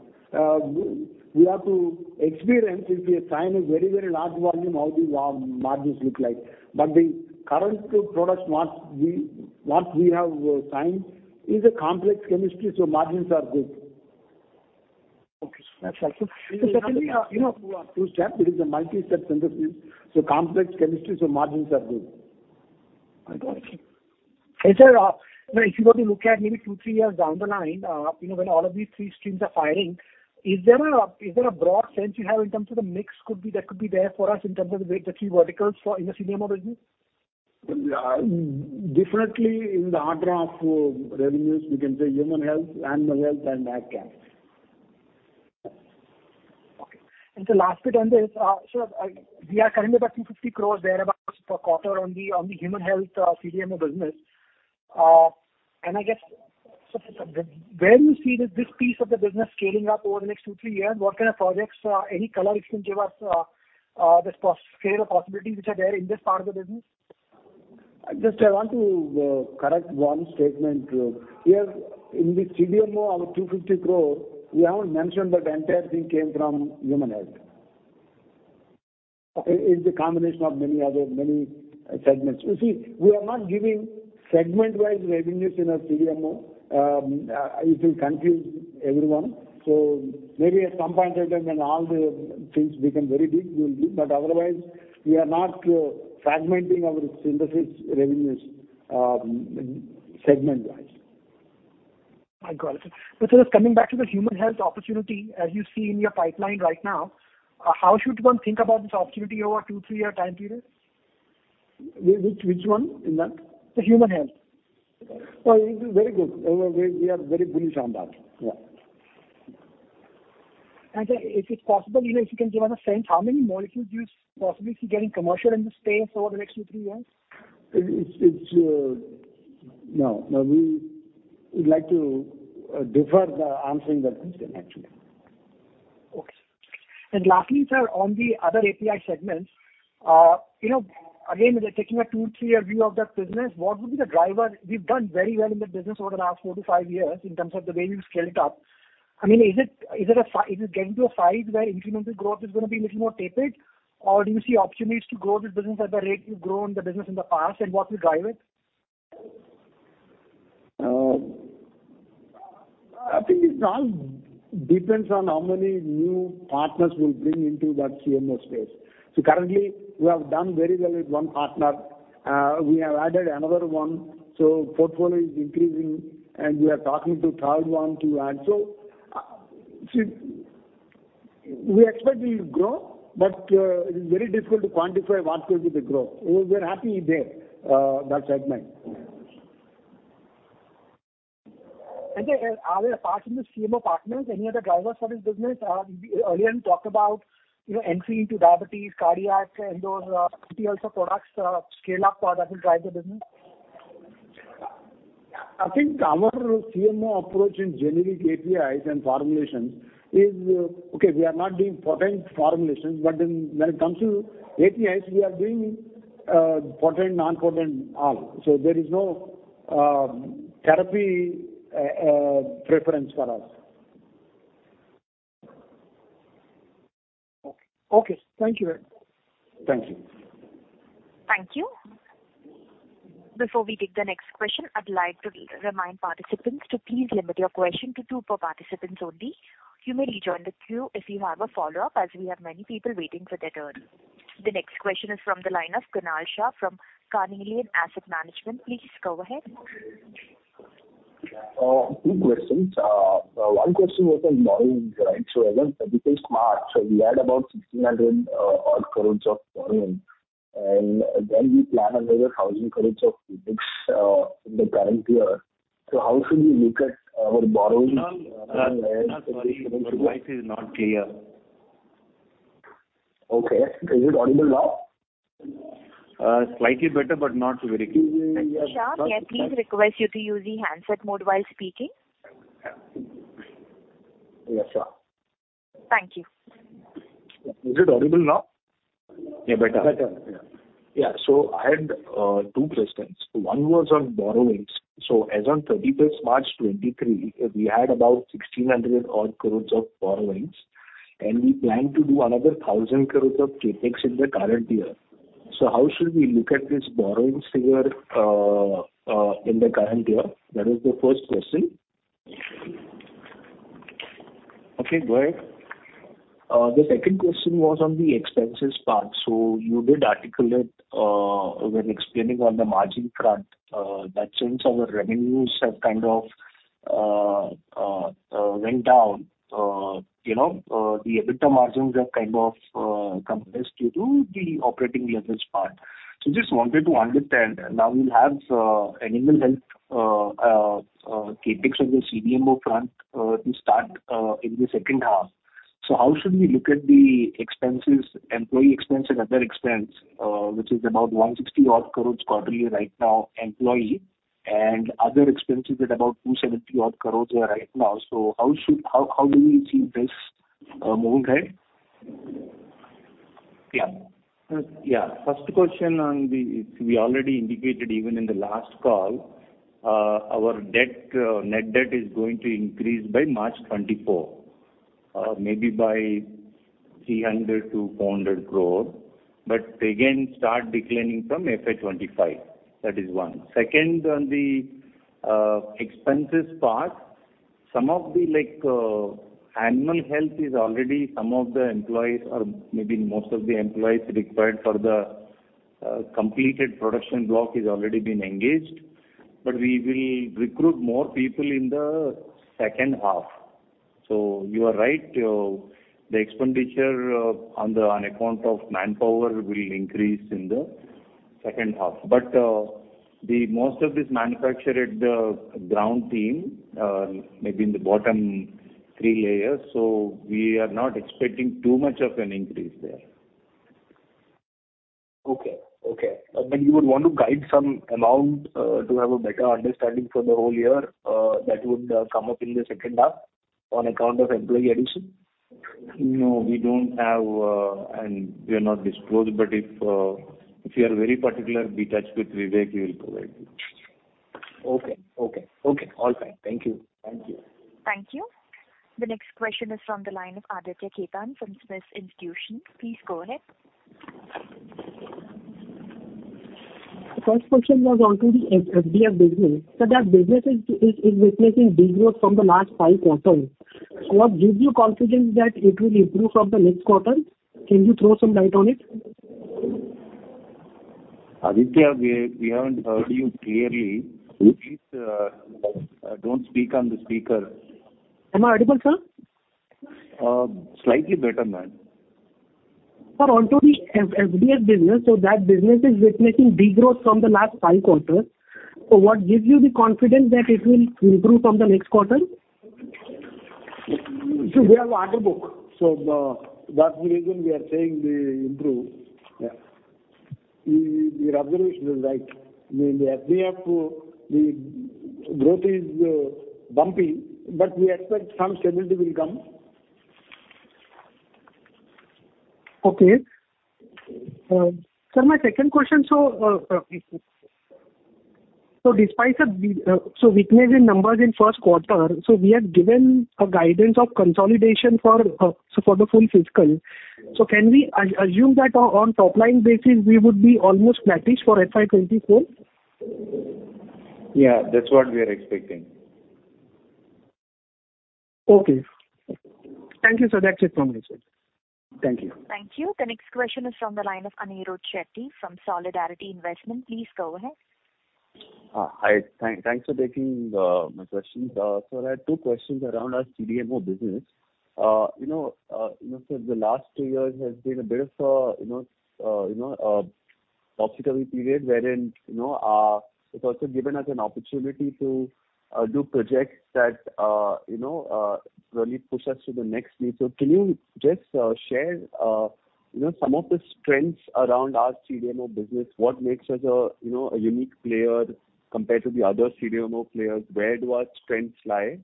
We have to experience if we sign a very, very large volume, how the margins look like. The current two products, what we have signed, is a complex chemistry, so margins are good. Okay. That's right. Certainly, you know, two-step, it is a multi-step synthesis, so complex chemistry, so margins are good. I got it. Sir, now if you were to look at maybe two, three years down the line, you know, when all of these three streams are firing, is there a broad sense you have in terms of the mix could be, that could be there for us in terms of the way the three verticals for in the CDMO business? Differently in the order of revenues, we can say human health, animal health, and Ag chem. Okay. The last bit on this, so we are currently about 250 crores there about per quarter on the, on the human health, CDMO business. I guess, so where do you see this piece of the business scaling up over the next two, three years? What kind of projects, any color you can give us, the scale of possibilities which are there in this part of the business? Just I want to correct one statement. In the CDMO, our 250 crore, we haven't mentioned that the entire thing came from human health. Okay. It's a combination of many other, many segments. You see, we are not giving segment-wise revenues in our CDMO. It will confuse everyone. Maybe at some point in time, when all the things become very big, we will give. Otherwise, we are not fragmenting our synthesis revenues, segment-wise. I got it. Just coming back to the human health opportunity, as you see in your pipeline right now, how should one think about this opportunity over a two, three-year time period? Which one in that? The human health. Oh, it is very good. We are very bullish on that. Yeah. Sir, if it's possible, you know, if you can give us a sense, how many molecules do you possibly see getting commercial in this space over the next two, three years? It's No, we would like to defer the answering that question, actually. Okay. Lastly, sir, on the other API segments, you know, again, taking a two to three year view of that business, what would be the driver? We've done very well in the business over the last four to five years in terms of the way you've scaled it up. I mean, is it getting to a size where incremental growth is gonna be a little more tepid, or do you see opportunities to grow this business at the rate you've grown the business in the past, and what will drive it? I think it all depends on how many new partners we'll bring into that CMO space. Currently, we have done very well with one partner. We have added another one, so portfolio is increasing, and we are talking to third one to add. See, we expect it will grow, but it is very difficult to quantify what will be the growth. We're happy there, that segment. Are there, apart from the CMO partners, any other drivers for this business? Earlier you talked about, you know, entry into diabetes, cardiac, and those products, scale up that will drive the business. I think our CMO approach in generic APIs and formulations is. Okay, we are not doing potent formulations, but then when it comes to APIs, we are doing potent, non-potent, all. There is no therapy preference for us. Okay. Okay, thank you very much. Thank you. Thank you. Before we take the next question, I'd like to remind participants to please limit your question to two per participants only. You may rejoin the queue if you have a follow-up, as we have many people waiting for their turn. The next question is from the line of Kunal Shah from Carnelian Asset Management. Please go ahead.... two questions. one question was on borrowing, right? As of 31st March, so we had about 1,600 odd crores of borrowing, and then we plan another 1,000 crores of CapEx in the current year. How should we look at our borrowing? Sir, sorry, your voice is not clear. Okay. Is it audible now? Slightly better, but not very clear. Sir, may I please request you to use the handset mode while speaking? Yes, sure. Thank you. Is it audible now? Yeah, better. Better. Yeah. Yeah. I had two questions. One was on borrowings. As on 31st March 2023, we had about 1,600 odd crores of borrowings, and we plan to do another 1,000 crores of CapEx in the current year. How should we look at this borrowings figure, in the current year? That is the first question. Okay, go ahead. The second question was on the expenses part. You did articulate, when explaining on the margin front, that since our revenues have kind of, went down, you know, the EBITDA margins have kind of, compressed due to the operating leverage part. Just wanted to understand, now we'll have animal health CapEx on the CDMO front, to start in the second half. How should we look at the expenses, employee expense and other expense, which is about 160 odd crores quarterly right now, employee, and other expenses at about 270 odd crores right now. How do we see this move ahead? First question on the we already indicated even in the last call, our debt, net debt is going to increase by March 2024, maybe by 300 crore-400 crore, but again, start declining from FY 2025. That is one. Second, on the expenses part, some of the like animal health is already some of the employees or maybe most of the employees required for the completed production block has already been engaged, but we will recruit more people in the second half. You are right, the expenditure on the account of manpower will increase in the second half. The most of this manufacture at the ground team, maybe in the bottom three layers, so we are not expecting too much of an increase there. Okay. You would want to guide some amount to have a better understanding for the whole year that would come up in the second half on account of employee addition? No, we don't have, and we are not disclosed, but if you are very particular, be touched with Vivek, he will provide you. Okay, okay. Okay, all fine. Thank you. Thank you. Thank you. The next question is from the line of Aditya Khetan from SMIFS Institution. Please go ahead. First question was on to the FDF business. That business is witnessing de-growth from the last five quarters. What gives you confidence that it will improve from the next quarter? Can you throw some light on it? Aditya, we haven't heard you clearly. Hmm. Please, don't speak on the speaker. Am I audible, sir? Slightly better, man. Sir, onto the FDF business, that business is witnessing de-growth from the last five quarters. What gives you the confidence that it will improve from the next quarter? We have an order book, that's the reason we are saying they improve. Yeah. Your observation is right. I mean, the FDF, the growth is bumpy, but we expect some stability will come. Okay. sir, my second question. Despite the weakness in numbers in first quarter, we are given a guidance of consolidation for the full fiscal. Can we assume that on top-line basis, we would be almost bearish for FY 2024? Yeah, that's what we are expecting. Okay. Thank you, sir. That's it from my side. Thank you. Thank you. The next question is from the line of Anirudh Shetty from Solidarity Investment. Please go ahead. Hi. Thanks for taking my questions. I had two questions around our CDMO business. You know, you know, sir, the last two years has been a bit of a, you know, you know, obviously period wherein, you know, it's also given us an opportunity to do projects that, you know, really push us to the next stage. Can you just share, you know, some of the strengths around our CDMO business? What makes us a, you know, a unique player compared to the other CDMO players? Where do our strengths lie?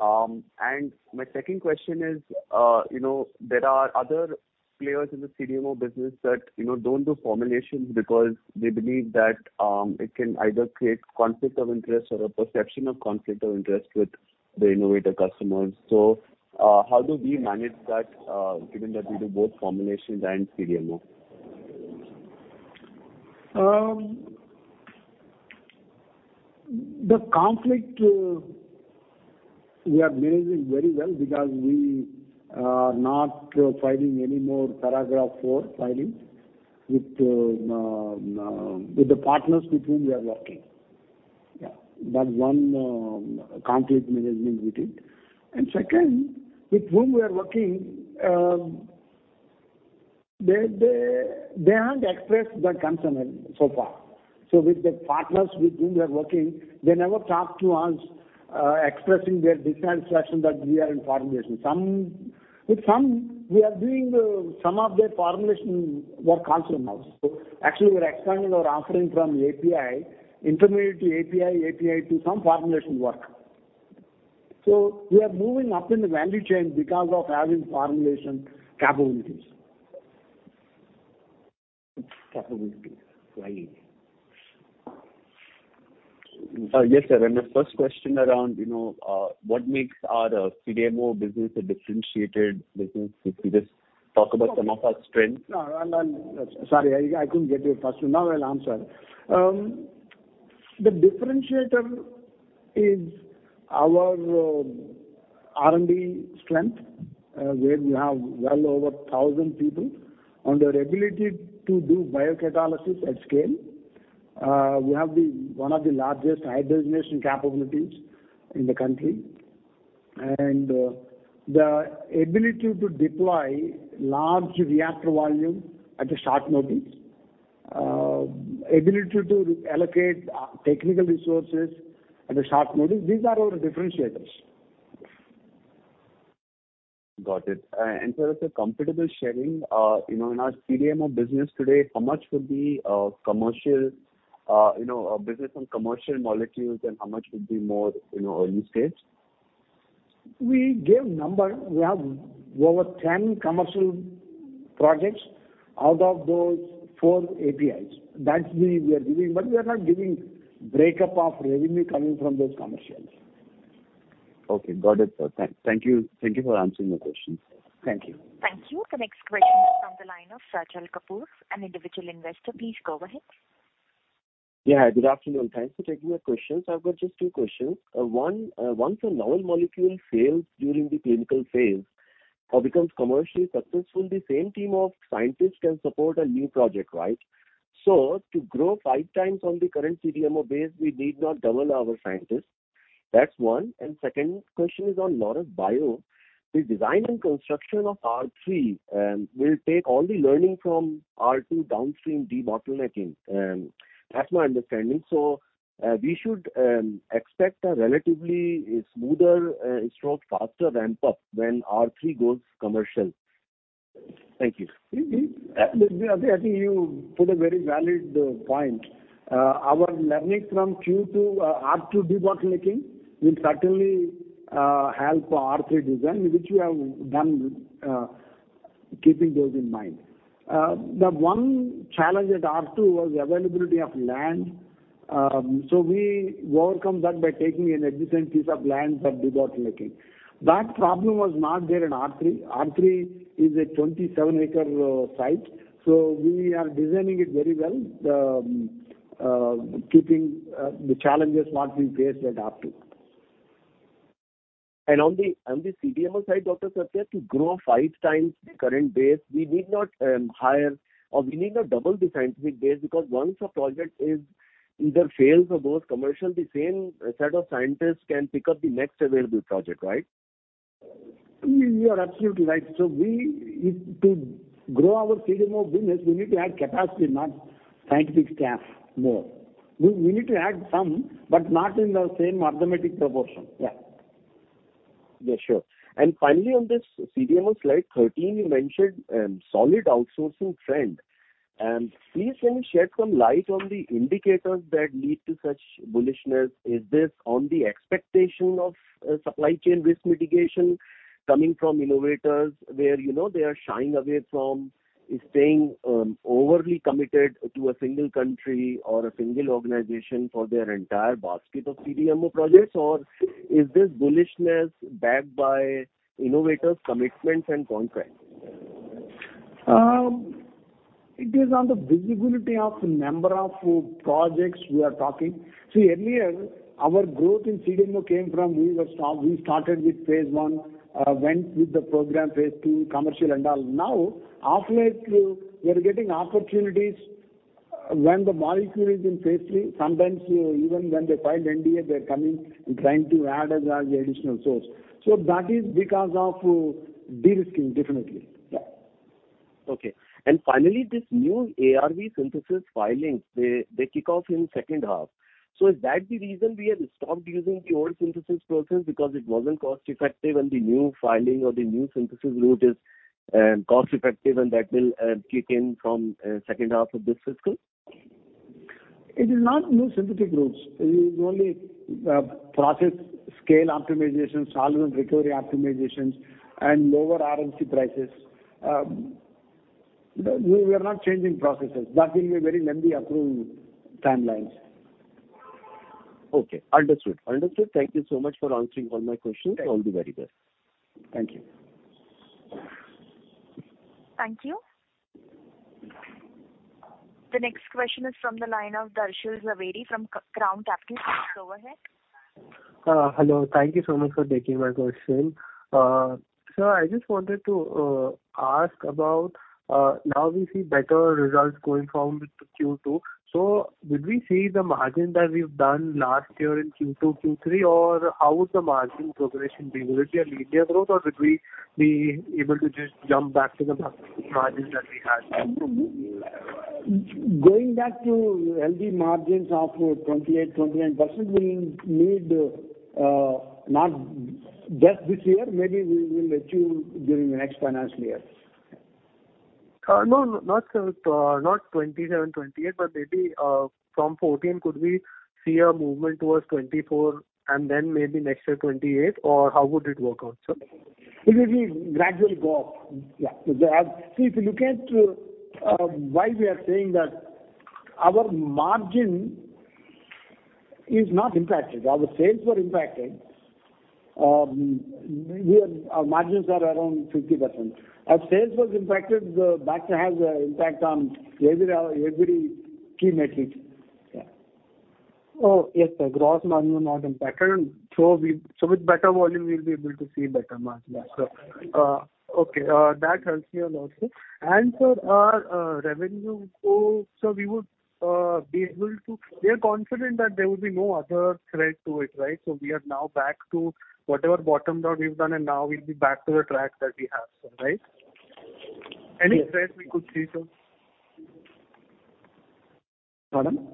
My second question is, there are other players in the CDMO business that don't do formulations because they believe that it can either create conflict of interest or a perception of conflict of interest with the innovator customers. How do we manage that, given that we do both formulations and CDMO? The conflict. We are managing very well because we are not filing any more Paragraph IV filings with the partners with whom we are working. Yeah. That's one conflict management with it. Second, with whom we are working, they haven't expressed their concern so far. With the partners with whom we are working, they never talked to us expressing their dissatisfaction that we are in formulation. With some, we are doing some of their formulation work also in-house. Actually, we're expanding our offering from API, intermediate to API to some formulation work. We are moving up in the value chain because of having formulation capabilities, right. Yes, sir. My first question around, you know, what makes our CDMO business a differentiated business? Could you just talk about some of our strengths? No, and I'm sorry, I couldn't get your first one. Now I'll answer. The differentiator is our R&D strength, where we have well over 1,000 people. On their ability to do biocatalysis at scale. We have one of the largest hydrogenation capabilities in the country, and the ability to deploy large reactor volume at a short notice, ability to allocate technical resources at a short notice. These are our differentiators. Got it. As a comfortable sharing, you know, in our CDMO business today, how much would be commercial, you know, business and commercial molecules, and how much would be more, you know, early stage? We gave number. We have over 10 commercial projects. Out of those, four APIs. That's the we are giving. We are not giving breakup of revenue coming from those commercials. Okay, got it, sir. Thank you. Thank you for answering my questions. Thank you. Thank you. The next question is from the line of Sir Sajal Kapoor, an individual investor. Please go ahead. Yeah, good afternoon. Thanks for taking my questions. I've got just two questions. One, once a novel molecule fails during the clinical phase or becomes commercially successful, the same team of scientists can support a new project, right? So to grow five times on the current CDMO base, we need not double our scientists. That's one. Second question is on Laurus Bio. The design and construction of R3 will take all the learning from R2 downstream debottlenecking, that's my understanding. So we should expect a relatively smoother, sort of faster ramp-up when R3 goes commercial. Thank you. I think you put a very valid point. Our learnings from Q2, R2 debottlenecking will certainly help R3 design, which we have done, keeping those in mind. The one challenge at R2 was availability of land. We overcome that by taking an adjacent piece of land for debottlenecking. That problem was not there in R3. R3 is a 27 acre site, we are designing it very well, keeping the challenges what we faced at R2. On the CDMO side, Dr. Satya, to grow 5x the current base, we need not hire, or we need not double the scientific base, because once a project is either fails or goes commercial, the same set of scientists can pick up the next available project, right? You are absolutely right. we, to grow our CDMO business, we need to add capacity, not scientific staff more. We need to add some, but not in the same arithmetic proportion. Yeah. Yeah, sure. Finally, on this CDMO, slide 13, you mentioned solid outsourcing trend. Please, can you shed some light on the indicators that lead to such bullishness? Is this on the expectation of supply chain risk mitigation coming from innovators where, you know, they are shying away from staying overly committed to a single country or a single organization for their entire basket of CDMO projects? Is this bullishness backed by innovators' commitments and contracts? It is on the visibility of the number of projects we are talking. Earlier, our growth in CDMO came from, we started with phase one, went with the program phase two, commercial and all. Halfway through, we are getting opportunities, when the molecule is in phase three. Sometimes even when they file NDA, they're coming and trying to add us as the additional source. That is because of de-risking, definitely. Yeah. Okay. Finally, this new ARV synthesis filings, they kick off in second half. Is that the reason we have stopped using the old synthesis process because it wasn't cost-effective, and the new filing or the new synthesis route is cost-effective and that will kick in from second half of this fiscal? It is not new synthetic routes. It is only process scale optimization, solvent recovery optimizations, and lower RMC prices. We are not changing processes. That will be a very lengthy approval timelines. Okay, understood. Understood. Thank you so much for answering all my questions. Thank you. All the very best. Thank you. Thank you. The next question is from the line of Darshil Jhaveri from Crown Capital. Go ahead. Hello. Thank you so much for taking my question. I just wanted to ask about, now we see better results going forward to Q2. Would we see the margin that we've done last year in Q2, Q3, or how would the margin progression be? Will it be a linear growth, or would we be able to just jump back to the margins that we had? Going back to healthy margins of 28%-29% will need, not just this year, maybe we will achieve during the next financial year. No, not 27%, 28%, maybe, from 14%, could we see a movement towards 24%, and then maybe next year, 28%? How would it work out, sir? It will be gradual go up. Yeah. See, if you look at, why we are saying that our margin is not impacted. Our sales were impacted. Our margins are around 50%. Our sales was impacted, so that has an impact on every key metric. Yeah. Yes, sir. Gross margin are not impacted, so with better volume, we'll be able to see better margin. Okay, that helps me a lot, sir. Sir, revenue goal, so we would be able to... We are confident that there will be no other threat to it, right? We are now back to whatever bottom line we've done, and now we'll be back to the track that we have, so, right? Yes. Any threat we could see, sir? Pardon?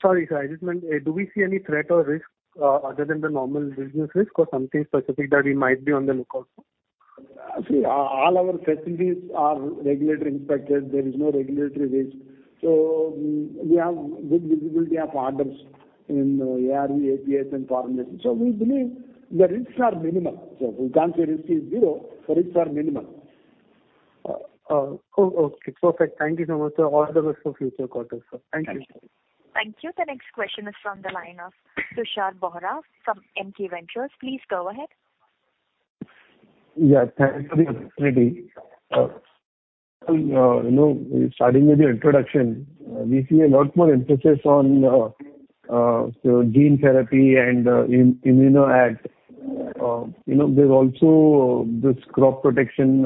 Sorry, sir. I just meant, do we see any threat or risk, other than the normal business risk or something specific that we might be on the lookout for? All our facilities are regulatory inspected. There is no regulatory risk. We have good visibility of orders in ARV, APIs, and formulations. We believe the risks are minimal. We can't say risk is zero, but risks are minimal. Okay. Perfect. Thank you so much, sir. All the best for future quarters, sir. Thank you. Thank you. Thank you. The next question is from the line of Tushar Bohra from MK Ventures. Please go ahead. Yeah, thank you for the opportunity. you know, starting with the introduction, we see a lot more emphasis on, so gene therapy and ImmunoACT. you know, there's also this crop protection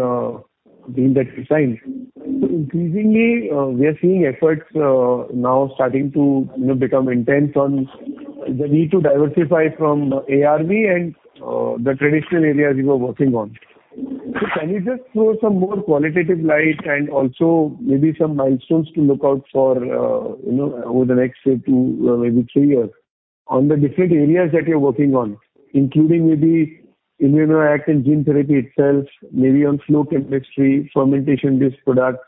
in that design. Increasingly, we are seeing efforts now starting to, you know, become intense on the need to diversify from ARV and the traditional areas you are working on. Can you just throw some more qualitative light and also maybe some milestones to look out for, you know, over the next two, maybe three years, on the different areas that you're working on, including maybe ImmunoACT and gene therapy itself, maybe on flow chemistry, fermentation-based products?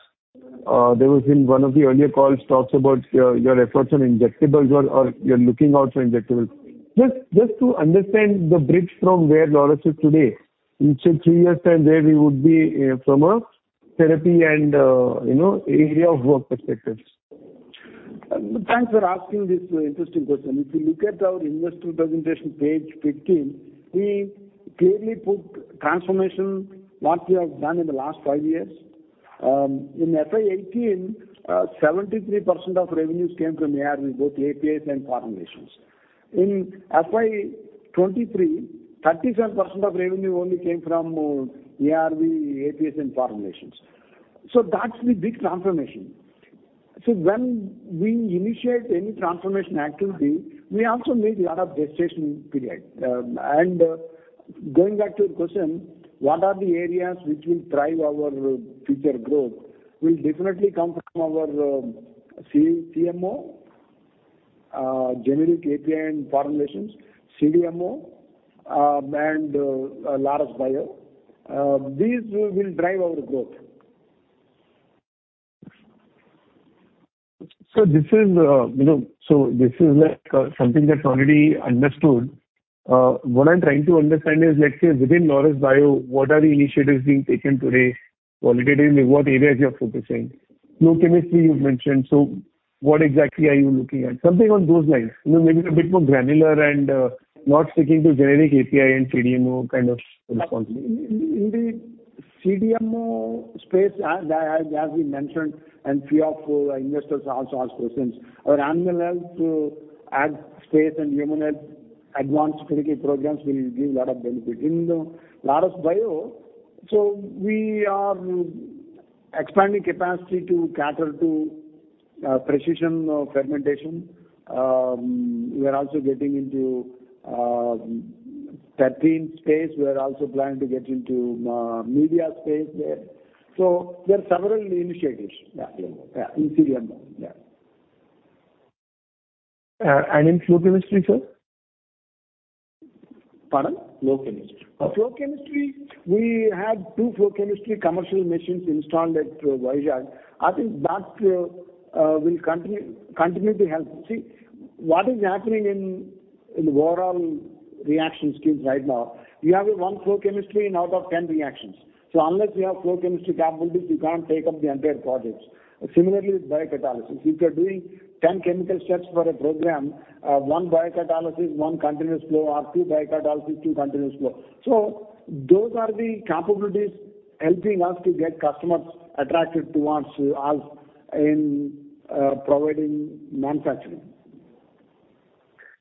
There was in one of the earlier calls, talks about your efforts on injectables or you're looking out for injectables. Just to understand the bridge from where Laurus is today, in say three years' time, where we would be, from a therapy and, you know, area of work perspectives. Thanks for asking this interesting question. If you look at our investor presentation, page 15, we clearly put transformation, what we have done in the last five years. In FY 2018, 73% of revenues came from ARV, both APIs and formulations. In FY 2023, 37% of revenue only came from ARV, APIs, and formulations. That's the big transformation. When we initiate any transformation activity, we also need a lot of gestation period. Going back to your question, what are the areas which will drive our future growth? Will definitely come from our CMO, generic API and formulations, CDMO, and Laurus Bio. These will drive our growth. This is, you know, like something that's already understood. What I'm trying to understand is, let's say, within Laurus Bio, what are the initiatives being taken today, qualitatively, what areas you are focusing? Flow chemistry you've mentioned, what exactly are you looking at? Something on those lines. You know, maybe a bit more granular and, not sticking to generic API and CDMO kind of response. In the CDMO space, as we mentioned, few of our investors also asked questions, our animal health, ag space and human health advanced clinical programs will give a lot of benefit. In the Laurus Bio, we are expanding capacity to cater to precision fermentation. We are also getting into peptide space. We are also planning to get into media space there. There are several initiatives, yeah, in CDMO. In flow chemistry, sir? Pardon? Flow chemistry. Flow chemistry, we have two flow chemistry commercial machines installed at Vizag. I think that will continue to help. See, what is happening in overall reaction schemes right now, you have a one flow chemistry in out of 10 reactions. Unless you have flow chemistry capabilities, you can't take up the entire projects. Similarly, with biocatalysis, if you are doing 10 chemical steps for a program, one biocatalysis, one continuous flow, or two biocatalysis, two continuous flow. Those are the capabilities helping us to get customers attracted towards us in providing manufacturing.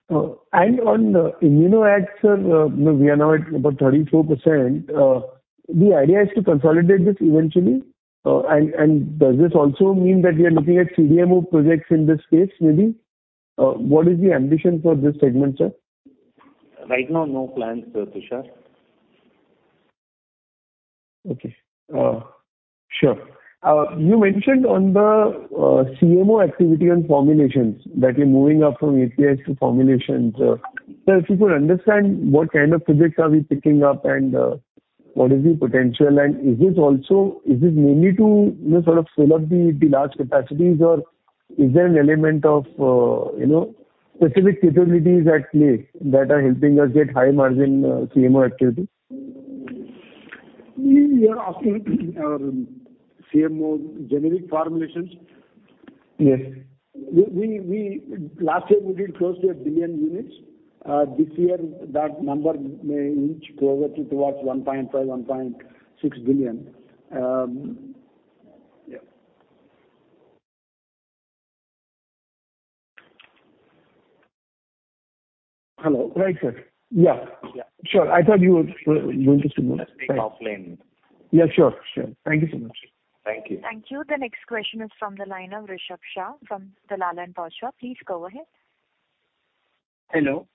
On the ImmunoACT, sir, we are now at about 34%. The idea is to consolidate this eventually? Does this also mean that we are looking at CDMO projects in this space, maybe? What is the ambition for this segment, sir? Right now, no plans, Sir Tushar. Okay. sure. You mentioned on the CMO activity and formulations, that you're moving up from API to formulations. If you could understand what kind of projects are we picking up, and what is the potential? Is this mainly to, you know, sort of fill up the large capacities, or is there an element of, you know, specific capabilities at play that are helping us get high margin CMO activity? We are asking our CMO generic formulations. Yes. We last year, we did close to one billion units. This year, that number may inch closer towards 1.5 billion, 1.6 billion. Yeah. Hello. Right, sir. Yeah. Yeah. Sure. I thought you were interested in that. Let's speak offline. Yeah, sure. Sure. Thank you so much. Thank you. Thank you. The next question is from the line of Rishabh Shah from Dalal & Broacha. Please go ahead. Hello?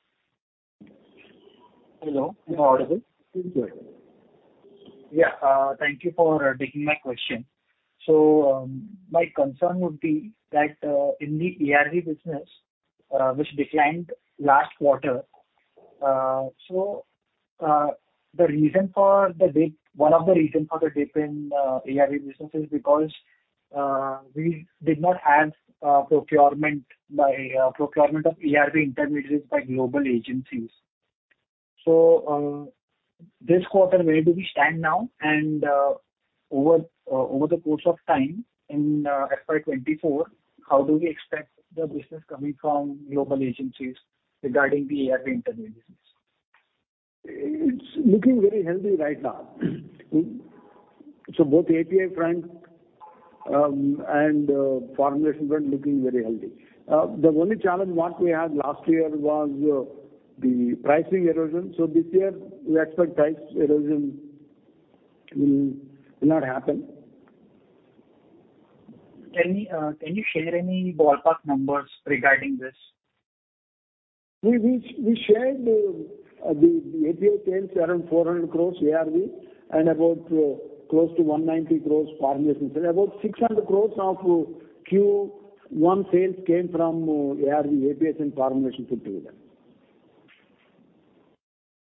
Hello, am I audible? Good. Yeah, thank you for taking my question. My concern would be that in the ARV business, which declined last quarter, the reason for the dip in ARV business is because we did not have procurement of ARV intermediaries by global agencies. This quarter, where do we stand now? Over the course of time in FY 2024, how do we expect the business coming from global agencies regarding the ARV intermediaries? It's looking very healthy right now. Both API front, and formulation front looking very healthy. The only challenge what we had last year was the pricing erosion. This year, we expect price erosion will not happen. Can you share any ballpark numbers regarding this? We shared the API sales around 400 crores ARV, and about close to 190 crores formulations. About 600 crores of Q1 sales came from ARV, APIs, and formulation put together.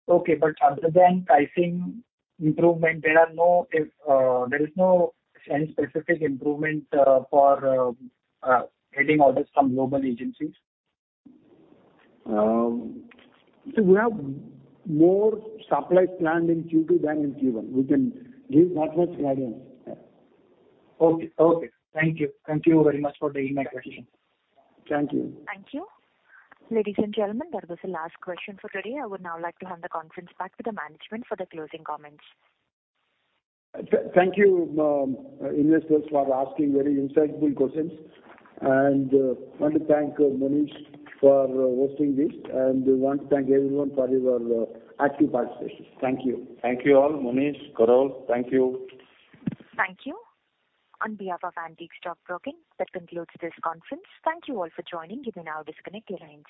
Okay. Other than pricing improvement, there is no any specific improvement for getting orders from global agencies? We have more supplies planned in Q2 than in Q1. We can give that much guidance. Yeah. Okay. Thank you. Thank you very much for taking my question. Thank you. Thank you. Ladies and gentlemen, that was the last question for today. I would now like to hand the conference back to the management for the closing comments. Thank you, investors, for asking very insightful questions. I want to thank Manish for hosting this. We want to thank everyone for your active participation. Thank you. Thank you all. Monish, Karan, thank you. Thank you. On behalf of Antique Stock Broking, that concludes this conference. Thank you all for joining. You may now disconnect your lines.